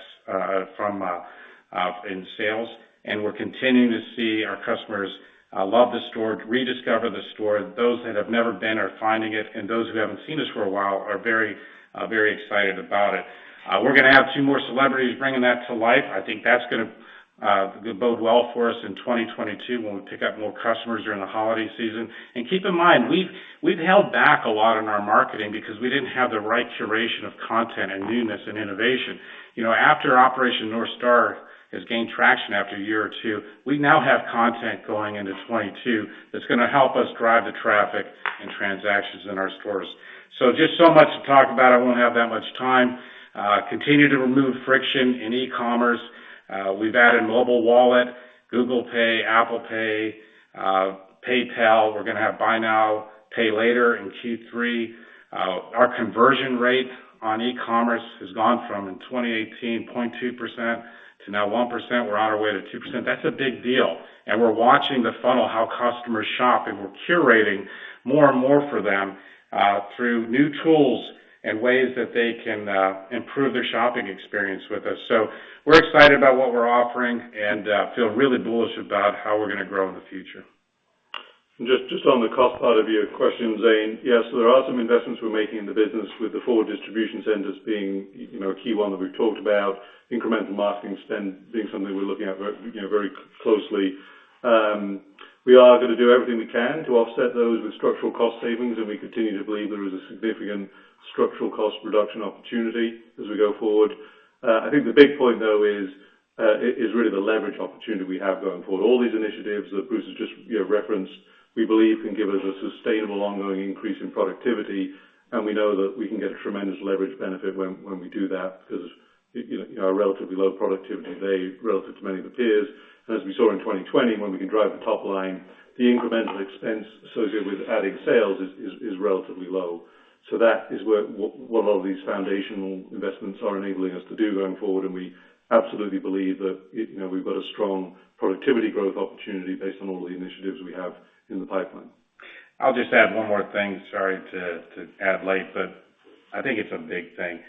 in sales. We're continuing to see our customers love the store, rediscover the store. Those that have never been are finding it, and those who haven't seen us for a while are very excited about it. We're going to have two more celebrities bringing that to life. I think that's going to bode well for us in 2022 when we pick up more customers during the holiday season. Keep in mind, we've held back a lot on our marketing because we didn't have the right curation of content and newness and innovation. After Operation North Star has gained traction after a year or two, we now have content going into 2022 that's going to help us drive the traffic and transactions in our stores. Just so much to talk about. I won't have that much time. Continue to remove friction in e-commerce. We've added mobile wallet, Google Pay, Apple Pay, PayPal. We're going to have buy now, pay later in Q3. Our conversion rate on e-commerce has gone from, in 2018, 0.2% to now 1%. We're on our way to 2%. That's a big deal. We're watching the funnel, how customers shop, and we're curating more and more for them through new tools and ways that they can improve their shopping experience with us. We're excited about what we're offering and feel really bullish about how we're going to grow in the future. Just on the cost part of your question, Zain. There are some investments we're making in the business with the forward distribution centers being a key one that we've talked about. Incremental marketing spend being something we're looking at very closely. We are going to do everything we can to offset those with structural cost savings. We continue to believe there is a significant structural cost reduction opportunity as we go forward. I think the big point, though, is really the leverage opportunity we have going forward. All these initiatives that Bruce has just referenced, we believe can give us a sustainable, ongoing increase in productivity. We know that we can get a tremendous leverage benefit when we do that because our relatively low productivity today relative to many of the peers. As we saw in 2020, when we can drive the top line, the incremental expense associated with adding sales is relatively low. That is what all these foundational investments are enabling us to do going forward, and we absolutely believe that we've got a strong productivity growth opportunity based on all the initiatives we have in the pipeline. I'll just add one more thing. Sorry to add late, but I think it's a big thing.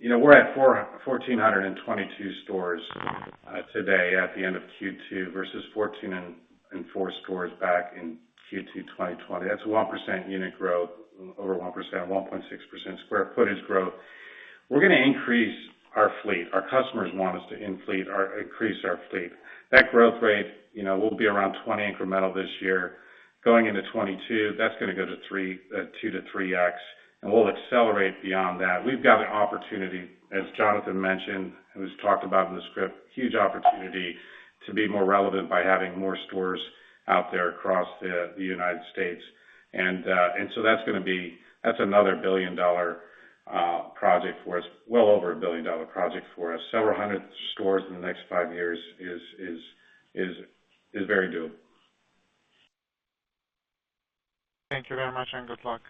We're at 1,422 stores today at the end of Q2 versus 1,404 stores back in Q2 2020. That's 1% unit growth, over 1%, 1.6% square footage growth. We're going to increase our fleet. Our customers want us to increase our fleet. That growth rate will be around 20 incremental this year. Going into 2022, that's going to go to 2x-3x. We'll accelerate beyond that. We've got an opportunity, as Jonathan mentioned, it was talked about in the script, huge opportunity to be more relevant by having more stores out there across the U.S. That's another billion-dollar project for us, well over a billion-dollar project for us. Several hundred stores in the next five years is very doable. Thank you very much, and good luck.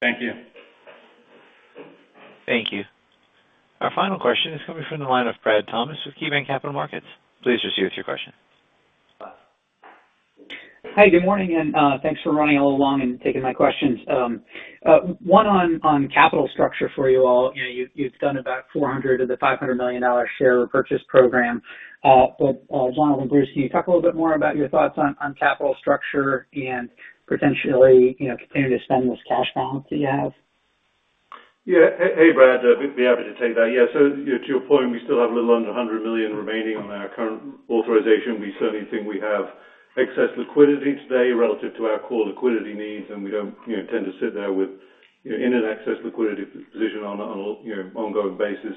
Thank you. Thank you. Our final question is coming from the line of Brad Thomas with KeyBanc Capital Markets. Please proceed with your question. Hi, good morning, and thanks for running all along and taking my questions. One on capital structure for you all. You've done about 400 of the $500 million share repurchase program. Jonathan, Bruce, can you talk a little bit more about your thoughts on capital structure and potentially continuing to spend this cash balance that you have? Yeah. Hey, Brad. Be happy to take that. To your point, we still have a little under $100 million remaining on our current authorization. We certainly think we have excess liquidity today relative to our core liquidity needs, and we don't intend to sit there with an excess liquidity position on an ongoing basis.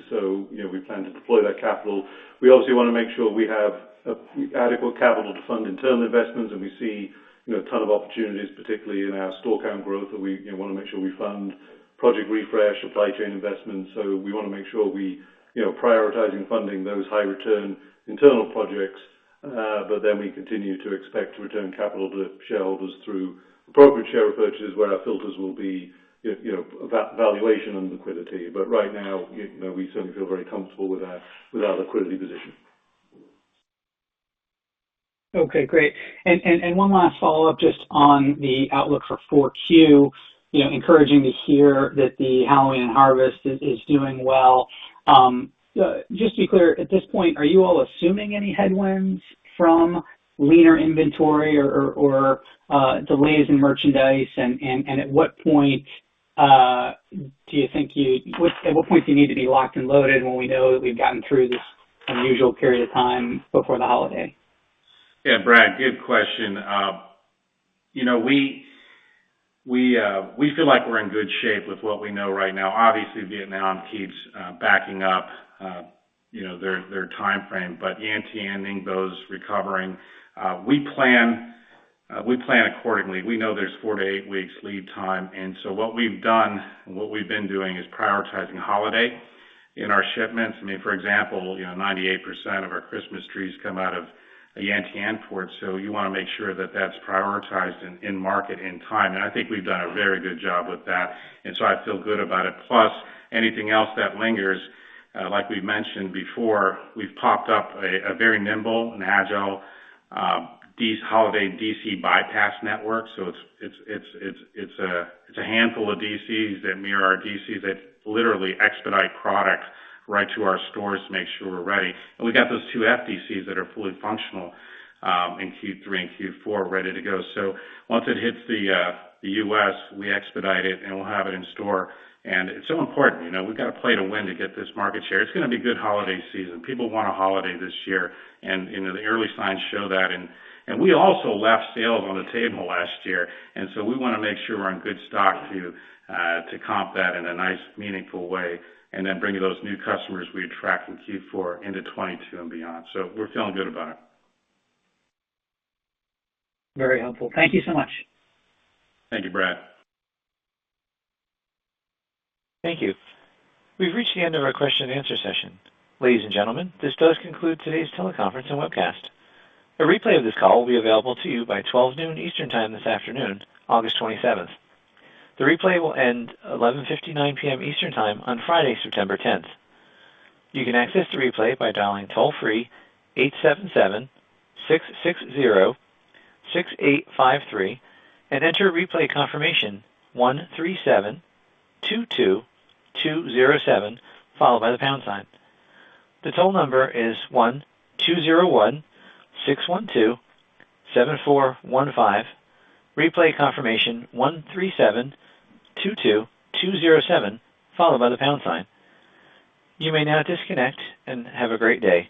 We plan to deploy that capital. We obviously want to make sure we have adequate capital to fund internal investments, and we see a ton of opportunities, particularly in our store count growth, that we want to make sure we fund Project Refresh, supply chain investments. We want to make sure we're prioritizing funding those high return internal projects. We continue to expect to return capital to shareholders through appropriate share repurchases where our filters will be valuation and liquidity. Right now, we certainly feel very comfortable with our liquidity position. Okay, great. One last follow-up just on the outlook for 4Q. Encouraging to hear that the Halloween harvest is doing well. Just to be clear, at this point, are you all assuming any headwinds from leaner inventory or delays in merchandise? At what point do you need to be locked and loaded when we know that we've gotten through this unusual period of time before the holiday? Yeah, Brad, good question. We feel like we're in good shape with what we know right now. Obviously, Vietnam keeps backing up their timeframe, Yantian, Ningbo's recovering. We plan accordingly. We know there's four to eight weeks lead time, what we've done and what we've been doing is prioritizing holiday in our shipments. I mean, for example 98% of our Christmas trees come out of Yantian Port. You want to make sure that that's prioritized and in market in time, I think we've done a very good job with that, I feel good about it. Plus, anything else that lingers, like we've mentioned before, we've popped up a very nimble and agile holiday DC bypass network. It's a handful of DCs that mirror our DCs that literally expedite products right to our stores to make sure we're ready. We got those two FDCs that are fully functional in Q3 and Q4 ready to go. Once it hits the U.S., we expedite it, and we'll have it in store. It's so important. We've got to play to win to get this market share. It's going to be good holiday season. People want a holiday this year, and the early signs show that. We also left sales on the table last year, and so we want to make sure we're in good stock to comp that in a nice, meaningful way and then bring those new customers we attract in Q4 into 2022 and beyond. We're feeling good about it. Very helpful. Thank you so much. Thank you, Brad. Thank you. We've reached the end of our question-and-answer session. Ladies and gentlemen, this does conclude today's teleconference and webcast. A replay of this call will be available to you by 12:00 P.M. Eastern Time this afternoon, August 27th. The replay will end 11:59 P.M. Eastern Time on Friday, 10th September. You can access the replay by dialing toll-free 877-660-6853 and enter replay confirmation 13722207, followed by the pound sign. The toll number is 1-201-612-7415, replay confirmation 13722207, followed by the pound sign. You may now disconnect and have a great day.